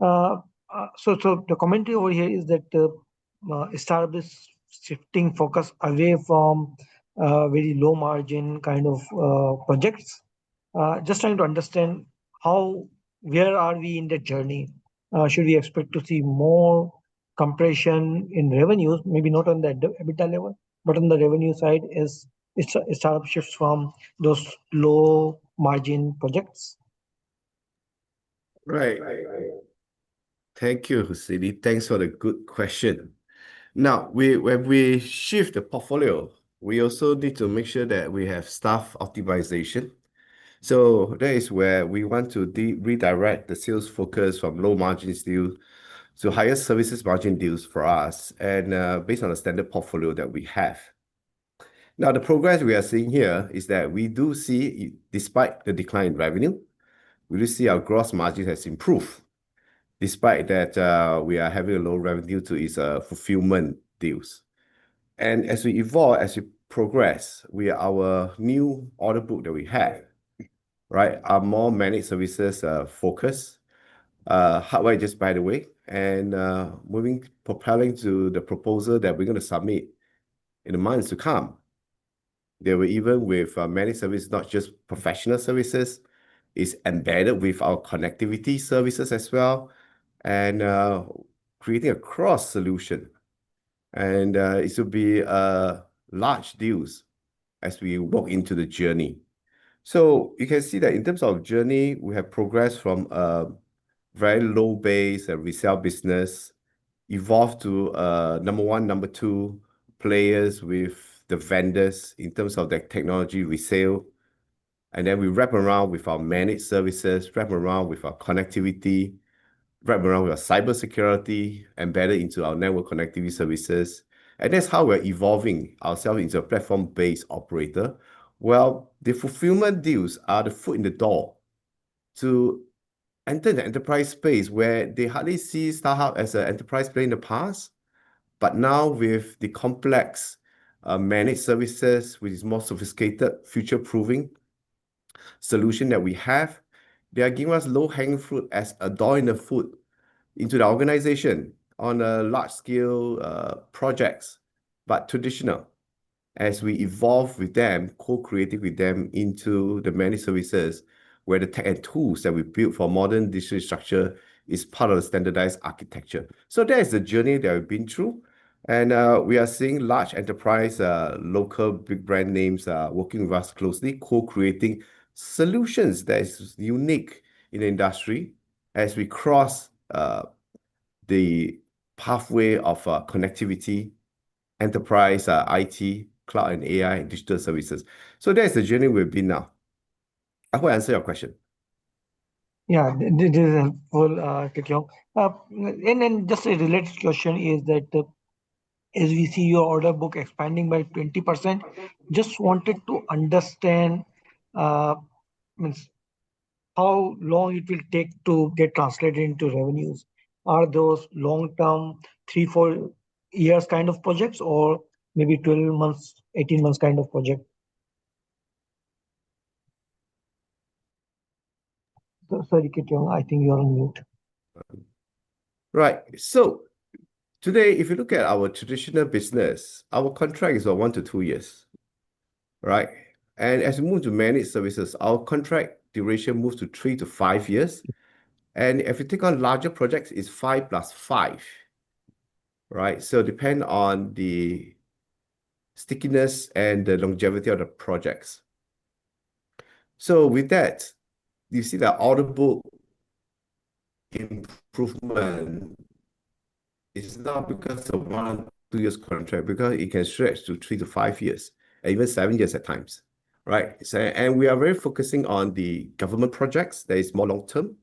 The commentary over here is that StarHub is shifting focus away from very low-margin kind of projects. Just trying to understand how, where are we in the journey? Should we expect to see more compression in revenues, maybe not on the EBITDA level, but on the revenue side as StarHub shifts from those low-margin projects? Right. Thank you, Hoseini. Thanks for the good question. Now, when we shift the portfolio, we also need to make sure that we have staff optimization. That is where we want to redirect the sales focus from low-margin deals to higher-services-margin deals for us and based on the standard portfolio that we have. Now, the progress we are seeing here is that we do see, despite the decline in revenue, we do see our gross margin has improved despite that we are having a low revenue to its fulfillment deals. As we evolve, as we progress, our new order book that we have are more managed services focused, hardware just by the way, and moving propelling to the proposal that we're going to submit in the months to come. There were even with managed services, not just professional services, is embedded with our connectivity services as well and creating a cross solution. It should be large deals as we walk into the journey. You can see that in terms of journey, we have progressed from a very low base and resale business, evolved to number one, number two players with the vendors in terms of their technology resale. Then we wrap around with our managed services, wrap around with our connectivity, wrap around with our cybersecurity embedded into our network connectivity services. That is how we're evolving ourselves into a platform-based operator. The fulfillment deals are the foot in the door to enter the enterprise space where they hardly see StarHub as an enterprise player in the past. Now, with the complex managed services, which is more sophisticated, future-proofing solution that we have, they are giving us low-hanging fruit as a door in the food into the organization on large-scale projects. Traditional, as we evolve with them, co-creating with them into the managed services where the tech and tools that we build for modern digital structure is part of the standardized architecture. That is the journey that we've been through. We are seeing large enterprise, local big brand names working with us closely, co-creating solutions that are unique in the industry as we cross the pathway of connectivity, enterprise, IT, cloud, and AI, and digital services. That is the journey we've been now. I hope I answered your question. Yeah. Kit Yong. And then just a related question is that as we see your order book expanding by 20%, just wanted to understand how long it will take to get translated into revenues. Are those long-term, three, four years kind of projects or maybe 12 months, 18 months kind of project? Sorry, Kit Yong. I think you're on mute. Right. Today, if you look at our traditional business, our contract is for one to two years, right? As we move to managed services, our contract duration moves to three to five years. If you take on larger projects, it's five plus five, right? It depends on the stickiness and the longevity of the projects. With that, you see that order book improvement is not because of one or two years contract, because it can stretch to three to five years, even seven years at times, right? We are very focusing on the government projects that are more long-term.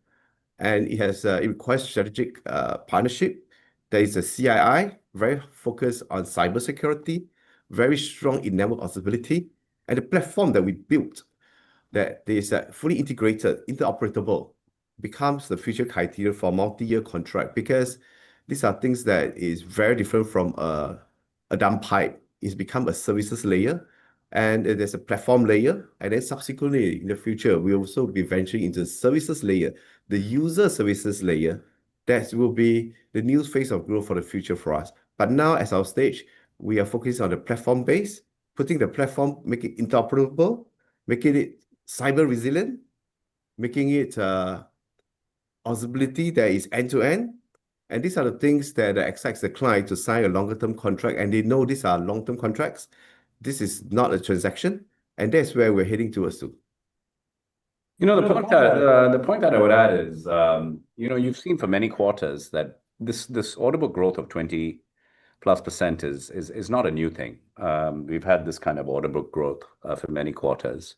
It requires strategic partnership. There is a CII very focused on cybersecurity, very strong in network observability. The platform that we built that is fully integrated, interoperable, becomes the future criteria for multi-year contract because these are things that are very different from a dumb pipe. It has become a services layer, and there is a platform layer. Subsequently, in the future, we also will be venturing into the services layer, the user services layer. That will be the new phase of growth for the future for us. At our stage, we are focusing on the platform base, putting the platform, making it interoperable, making it cyber resilient, making it observability that is end-to-end. These are the things that excite the client to sign a longer-term contract. They know these are long-term contracts. This is not a transaction. That is where we're heading towards too. The point that I would add is you've seen for many quarters that this order book growth of 20% plus is not a new thing. We've had this kind of order book growth for many quarters.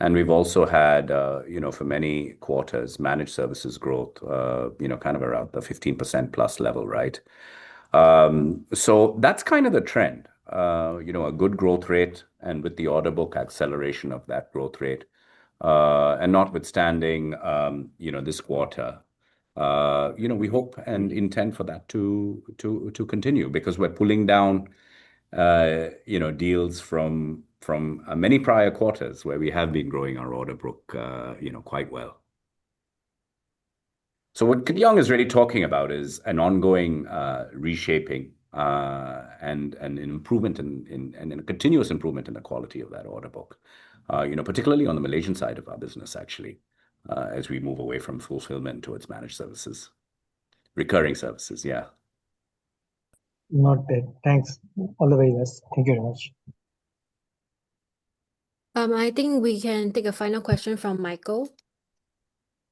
We've also had, for many quarters, managed services growth kind of around the 15% plus level, right? That is kind of the trend, a good growth rate and with the order book acceleration of that growth rate. Notwithstanding this quarter, we hope and intend for that to continue because we're pulling down deals from many prior quarters where we have been growing our order book quite well. What Kit Yong is really talking about is an ongoing reshaping and an improvement and a continuous improvement in the quality of that order book, particularly on the Malaysian side of our business, actually, as we move away from fulfillment towards managed services, recurring services, yeah. Not bad. Thanks, all the way less. Thank you very much. I think we can take a final question from Michael.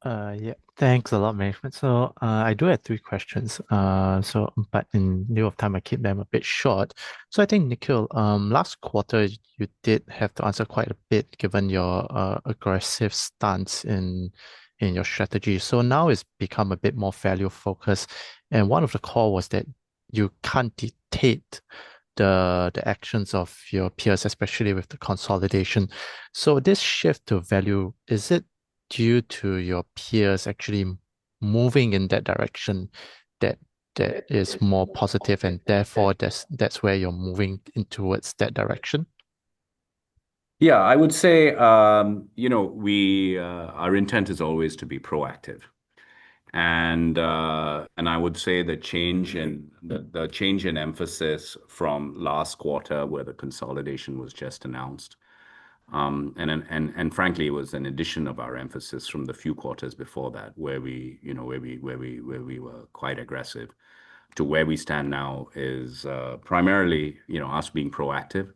Yeah. Thanks a lot, management. I do have three questions. In lieu of time, I keep them a bit short. I think, Nikhil, last quarter, you did have to answer quite a bit given your aggressive stance in your strategy. Now it's become a bit more value-focused. One of the calls was that you can't dictate the actions of your peers, especially with the consolidation. This shift to value, is it due to your peers actually moving in that direction that is more positive and therefore that's where you're moving towards that direction? Yeah, I would say our intent is always to be proactive. I would say the change in emphasis from last quarter where the consolidation was just announced, and frankly, it was an addition of our emphasis from the few quarters before that where we were quite aggressive, to where we stand now is primarily us being proactive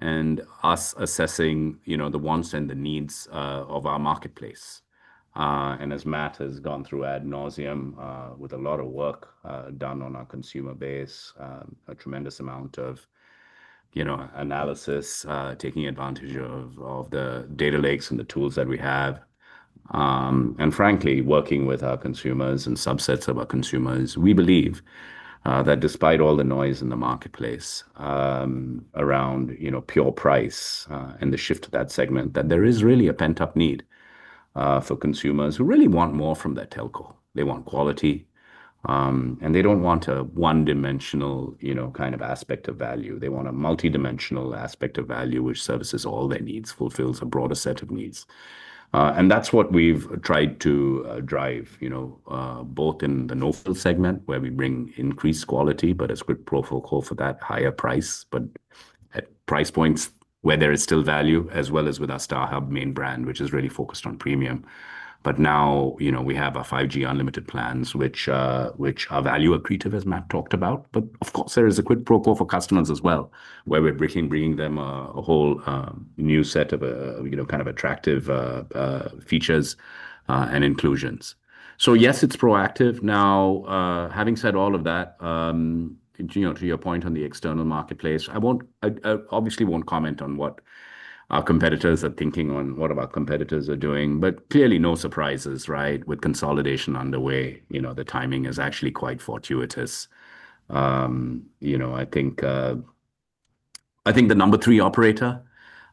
and us assessing the wants and the needs of our marketplace. As Matt has gone through ad nauseam with a lot of work done on our consumer base, a tremendous amount of analysis, taking advantage of the data lakes and the tools that we have, and frankly, working with our consumers and subsets of our consumers, we believe that despite all the noise in the marketplace around pure price and the shift to that segment, there is really a pent-up need for consumers who really want more from that telco. They want quality. They do not want a one-dimensional kind of aspect of value. They want a multidimensional aspect of value which services all their needs, fulfills a broader set of needs. That's what we've tried to drive, both in the no-fill segment where we bring increased quality, but a strict profile call for that higher price, but at price points where there is still value, as well as with our StarHub main brand, which is really focused on premium. Now we have our 5G unlimited plans, which are value accretive, as Matt talked about. Of course, there is a quid pro quo for customers as well, where we're bringing them a whole new set of kind of attractive features and inclusions. Yes, it's proactive. Now, having said all of that, to your point on the external marketplace, I obviously won't comment on what our competitors are thinking on what our competitors are doing. Clearly, no surprises, right? With consolidation underway, the timing is actually quite fortuitous. I think the number three operator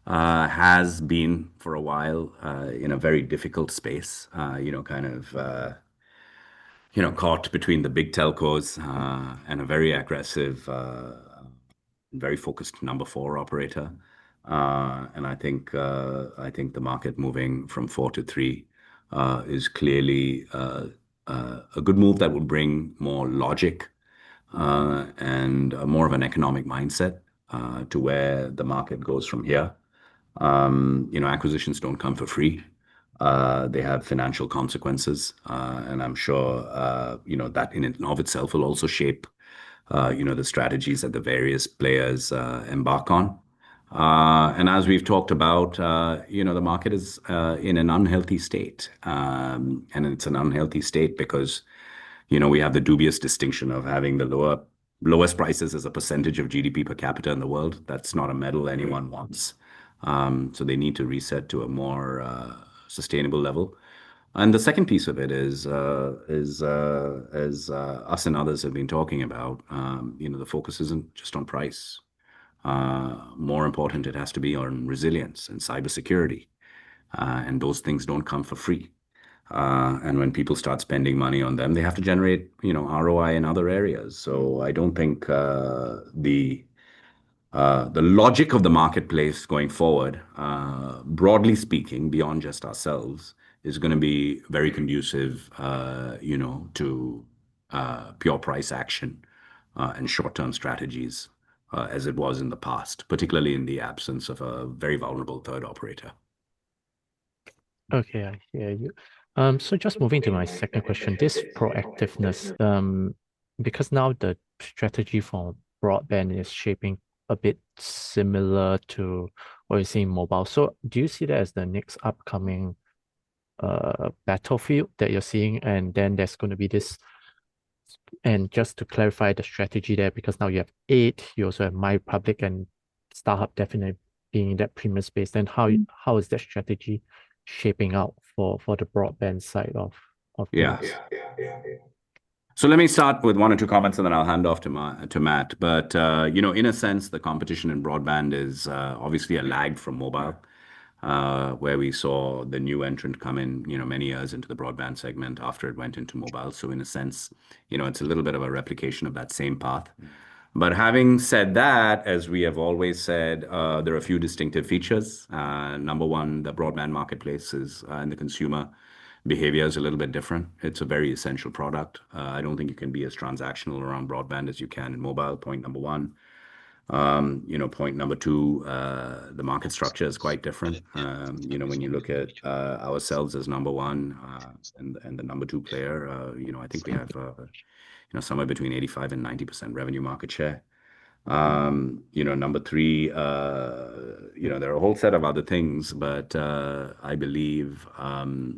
has been for a while in a very difficult space, kind of caught between the big telcos and a very aggressive, very focused number four operator. I think the market moving from four to three is clearly a good move that will bring more logic and more of an economic mindset to where the market goes from here. Acquisitions do not come for free. They have financial consequences. I am sure that in and of itself will also shape the strategies that the various players embark on. As we have talked about, the market is in an unhealthy state. It is an unhealthy state because we have the dubious distinction of having the lowest prices as a % of GDP per capita in the world. That is not a medal anyone wants. They need to reset to a more sustainable level. The second piece of it is, as us and others have been talking about, the focus isn't just on price. More important, it has to be on resilience and cybersecurity. Those things don't come for free. When people start spending money on them, they have to generate ROI in other areas. I don't think the logic of the marketplace going forward, broadly speaking, beyond just ourselves, is going to be very conducive to pure price action and short-term strategies as it was in the past, particularly in the absence of a very vulnerable third operator. Okay. Just moving to my second question, this proactiveness, because now the strategy for Broadband is shaping a bit similar to what we're seeing mobile. Do you see that as the next upcoming battlefield that you're seeing? There is going to be this—and just to clarify the strategy there, because now you have 8, you also have MyRepublic and StarHub definitely being in that premium space. How is that strategy shaping out for the Broadband side of things? Yeah. Let me start with one or two comments, and then I'll hand off to Matt. In a sense, the competition in Broadband is obviously a lag from mobile, where we saw the new entrant come in many years into the Broadband segment after it went into mobile. In a sense, it's a little bit of a replication of that same path. Having said that, as we have always said, there are a few distinctive features. Number one, the Broadband marketplace and the consumer behavior is a little bit different. It's a very essential product. I don't think you can be as transactional around Broadband as you can in mobile, point number one. Point number two, the market structure is quite different. When you look at ourselves as number one and the number two player, I think we have somewhere between 85%-90% revenue market share. Point number three, there are a whole set of other things, but I believe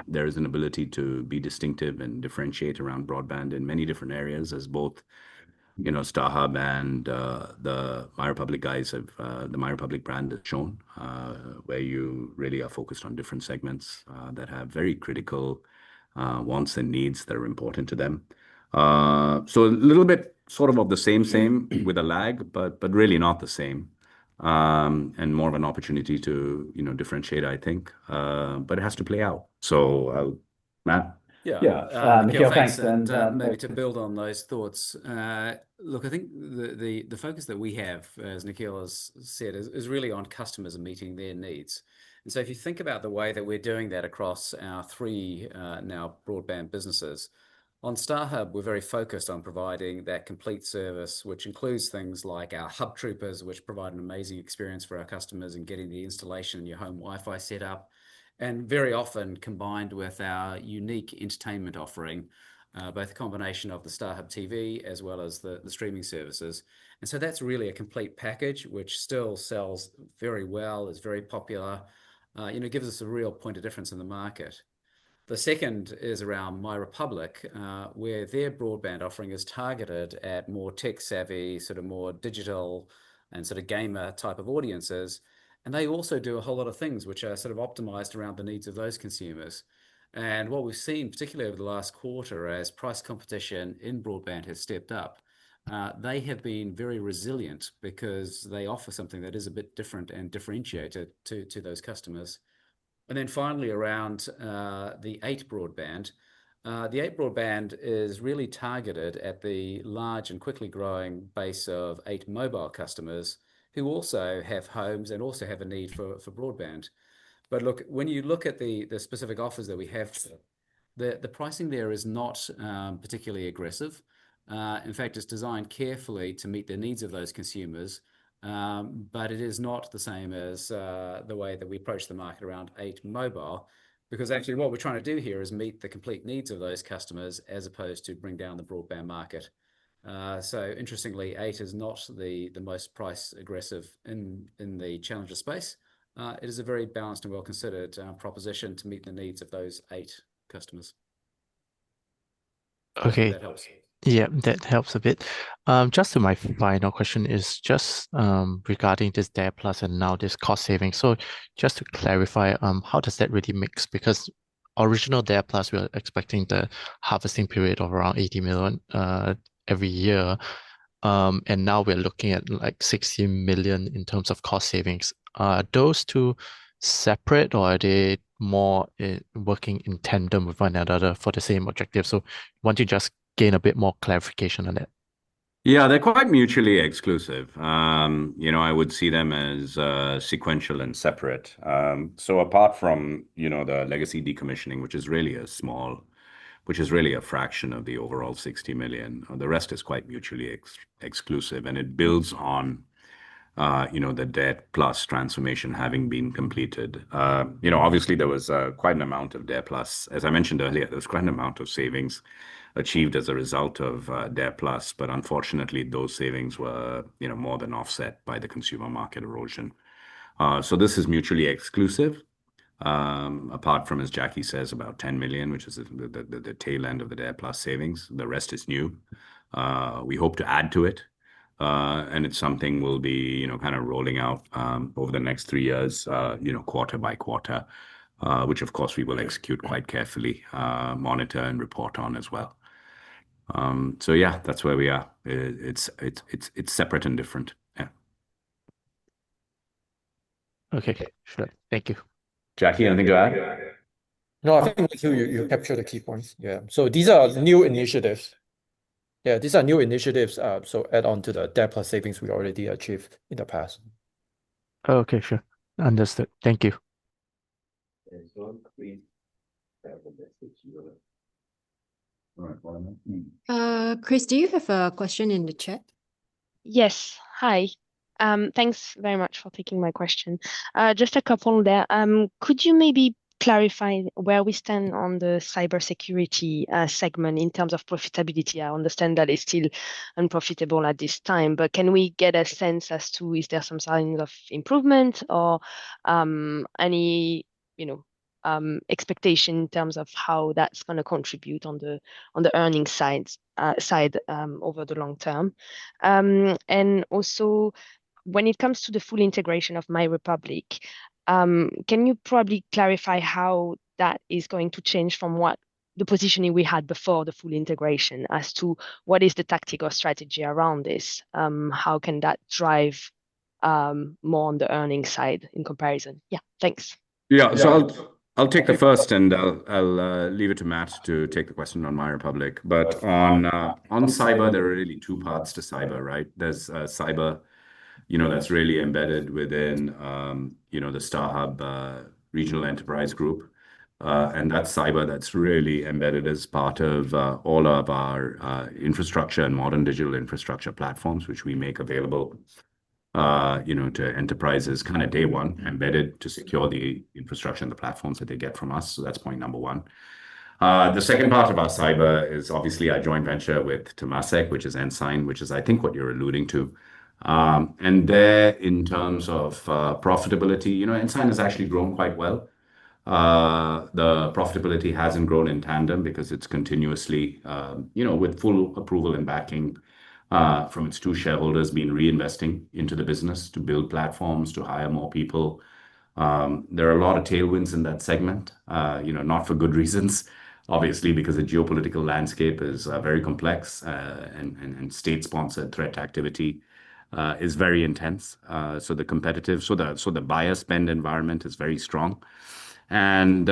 there is an ability to be distinctive and differentiate around Broadband in many different areas, as both StarHub and the MyRepublic guys have—the MyRepublic brand has shown, where you really are focused on different segments that have very critical wants and needs that are important to them. A little bit sort of of the same, same with a lag, but really not the same, and more of an opportunity to differentiate, I think. It has to play out. Matt? Yeah. Thanks. Maybe to build on those thoughts, look, I think the focus that we have, as Nikhil has said, is really on customers and meeting their needs. If you think about the way that we're doing that across our three now Broadband businesses, on StarHub, we're very focused on providing that complete service, which includes things like our hub troopers, which provide an amazing experience for our customers in getting the installation and your home Wi-Fi set up, and very often combined with our unique entertainment offering, both a combination of the StarHub TV as well as the streaming services. That's really a complete package, which still sells very well, is very popular, gives us a real point of difference in the market. The second is around MyRepublic, where their Broadband offering is targeted at more tech-savvy, sort of more digital and sort of gamer type of audiences. They also do a whole lot of things which are sort of optimized around the needs of those consumers. What we've seen, particularly over the last quarter, as price competition in Broadband has stepped up, is they have been very resilient because they offer something that is a bit different and differentiated to those customers. Finally, around the eight Broadband, the eight Broadband is really targeted at the large and quickly growing base of eight Mobile customers who also have homes and also have a need for Broadband. When you look at the specific offers that we have, the pricing there is not particularly aggressive. In fact, it's designed carefully to meet the needs of those consumers. It is not the same as the way that we approach the market around eight Mobile, because actually what we're trying to do here is meet the complete needs of those customers as opposed to bring down the Broadband market. Interestingly, eight is not the most price-aggressive in the challenger space. It is a very balanced and well-considered proposition to meet the needs of those eight customers. Okay. Yeah, that helps a bit. Just my final question is just regarding this Dare+ and now this cost saving. Just to clarify, how does that really mix? Because original Dare+, we were expecting the harvesting period of around 80 million every year. Now we're looking at like 60 million in terms of cost savings. Are those two separate, or are they more working in tandem with one another for the same objective? I want to just gain a bit more clarification on that. Yeah, they're quite mutually exclusive. I would see them as sequential and separate. Apart from the legacy decommissioning, which is really a small, which is really a fraction of the overall 60 million, the rest is quite mutually exclusive. It builds on the DARE+ transformation having been completed. Obviously, there was quite an amount of DARE+. As I mentioned earlier, there was quite an amount of savings achieved as a result of DARE+. Unfortunately, those savings were more than offset by the consumer market erosion. This is mutually exclusive. Apart from, as Jacky says, about 10 million, which is the tail end of the DARE+ savings, the rest is new. We hope to add to it. It's something we'll be kind of rolling out over the next three years, quarter by quarter, which, of course, we will execute quite carefully, monitor, and report on as well. Yeah, that's where we are. It's separate and different. Yeah. Okay. Thank you. Jacky, anything to add? No, I think you captured the key points. Yeah. These are new initiatives. Yeah, these are new initiatives. Add on to the DARE+ savings we already achieved in the past. Okay. Sure. Understood. Thank you. Chris, do you have a question in the chat? Yes. Hi. Thanks very much for taking my question. Just a couple there. Could you maybe clarify where we stand on the cybersecurity segment in terms of profitability? I understand that it's still unprofitable at this time, but can we get a sense as to is there some signs of improvement or any expectation in terms of how that's going to contribute on the earnings side over the long term? Also, when it comes to the full integration of My Republic, can you probably clarify how that is going to change from what the positioning we had before the full integration as to what is the tactic or strategy around this? How can that drive more on the earnings side in comparison? Yeah. Thanks. Yeah. I'll take the first, and I'll leave it to Matt to take the question on My Republic. On cyber, there are really two parts to cyber, right? There's cyber that's really embedded within the StarHub regional enterprise group. That cyber is really embedded as part of all of our infrastructure and modern digital infrastructure platforms, which we make available to enterprises kind of day one, embedded to secure the infrastructure and the platforms that they get from us. That is point number one. The second part of our cyber is obviously our joint venture with Temasek, which is Ensign, which is, I think, what you're alluding to. There, in terms of profitability, Ensign has actually grown quite well. The profitability has not grown in tandem because it is continuously, with full approval and backing from its two shareholders, been reinvesting into the business to build platforms, to hire more people. There are a lot of tailwinds in that segment, not for good reasons, obviously, because the geopolitical landscape is very complex, and state-sponsored threat activity is very intense. The buyer spend environment is very strong. Ensign,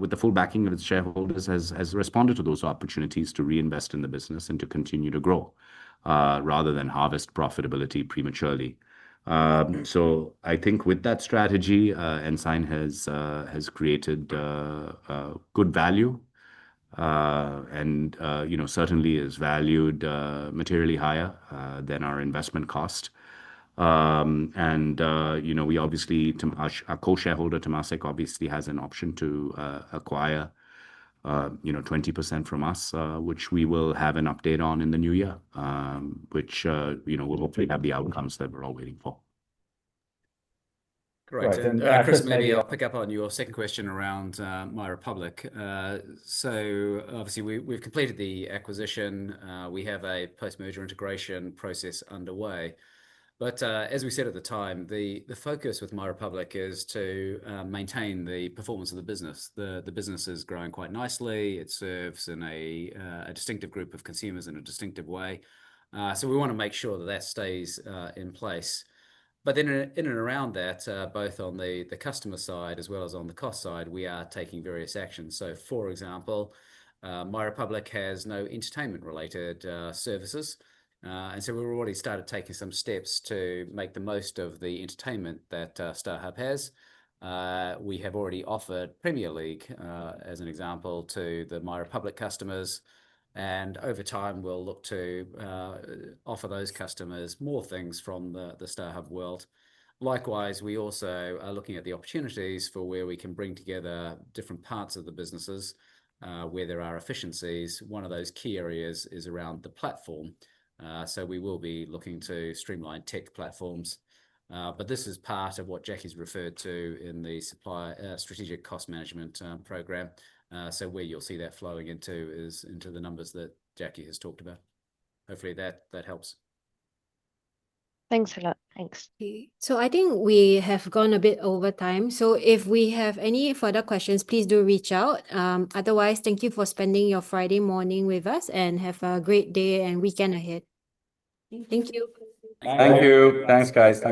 with the full backing of its shareholders, has responded to those opportunities to reinvest in the business and to continue to grow rather than harvest profitability prematurely. I think with that strategy, Ensign has created good value and certainly is valued materially higher than our investment cost. Our co-shareholder Temasek obviously has an option to acquire 20% from us, which we will have an update on in the new year, which will hopefully have the outcomes that we're all waiting for. Correct. Chris, maybe I'll pick up on your second question around My Republic. Obviously, we've completed the acquisition. We have a post-merger integration process underway. As we said at the time, the focus with My Republic is to maintain the performance of the business. The business is growing quite nicely. It serves a distinctive group of consumers in a distinctive way. We want to make sure that that stays in place. In and around that, both on the customer side as well as on the cost side, we are taking various actions. For example, My Republic has no entertainment-related services. We have already started taking some steps to make the most of the entertainment that StarHub has. We have already offered Premier League as an example to the My Republic customers. Over time, we'll look to offer those customers more things from the StarHub world. Likewise, we also are looking at the opportunities for where we can bring together different parts of the businesses where there are efficiencies. One of those key areas is around the platform. We will be looking to streamline tech platforms. This is part of what Jacky has referred to in the Supplier Strategic Cost Management Program. Where you will see that flowing into is into the numbers that Jacky has talked about. Hopefully, that helps. Thanks a lot. Thanks. I think we have gone a bit over time. If we have any further questions, please do reach out. Otherwise, thank you for spending your Friday morning with us and have a great day and weekend ahead. Thank you. Thank you. Thanks, guys.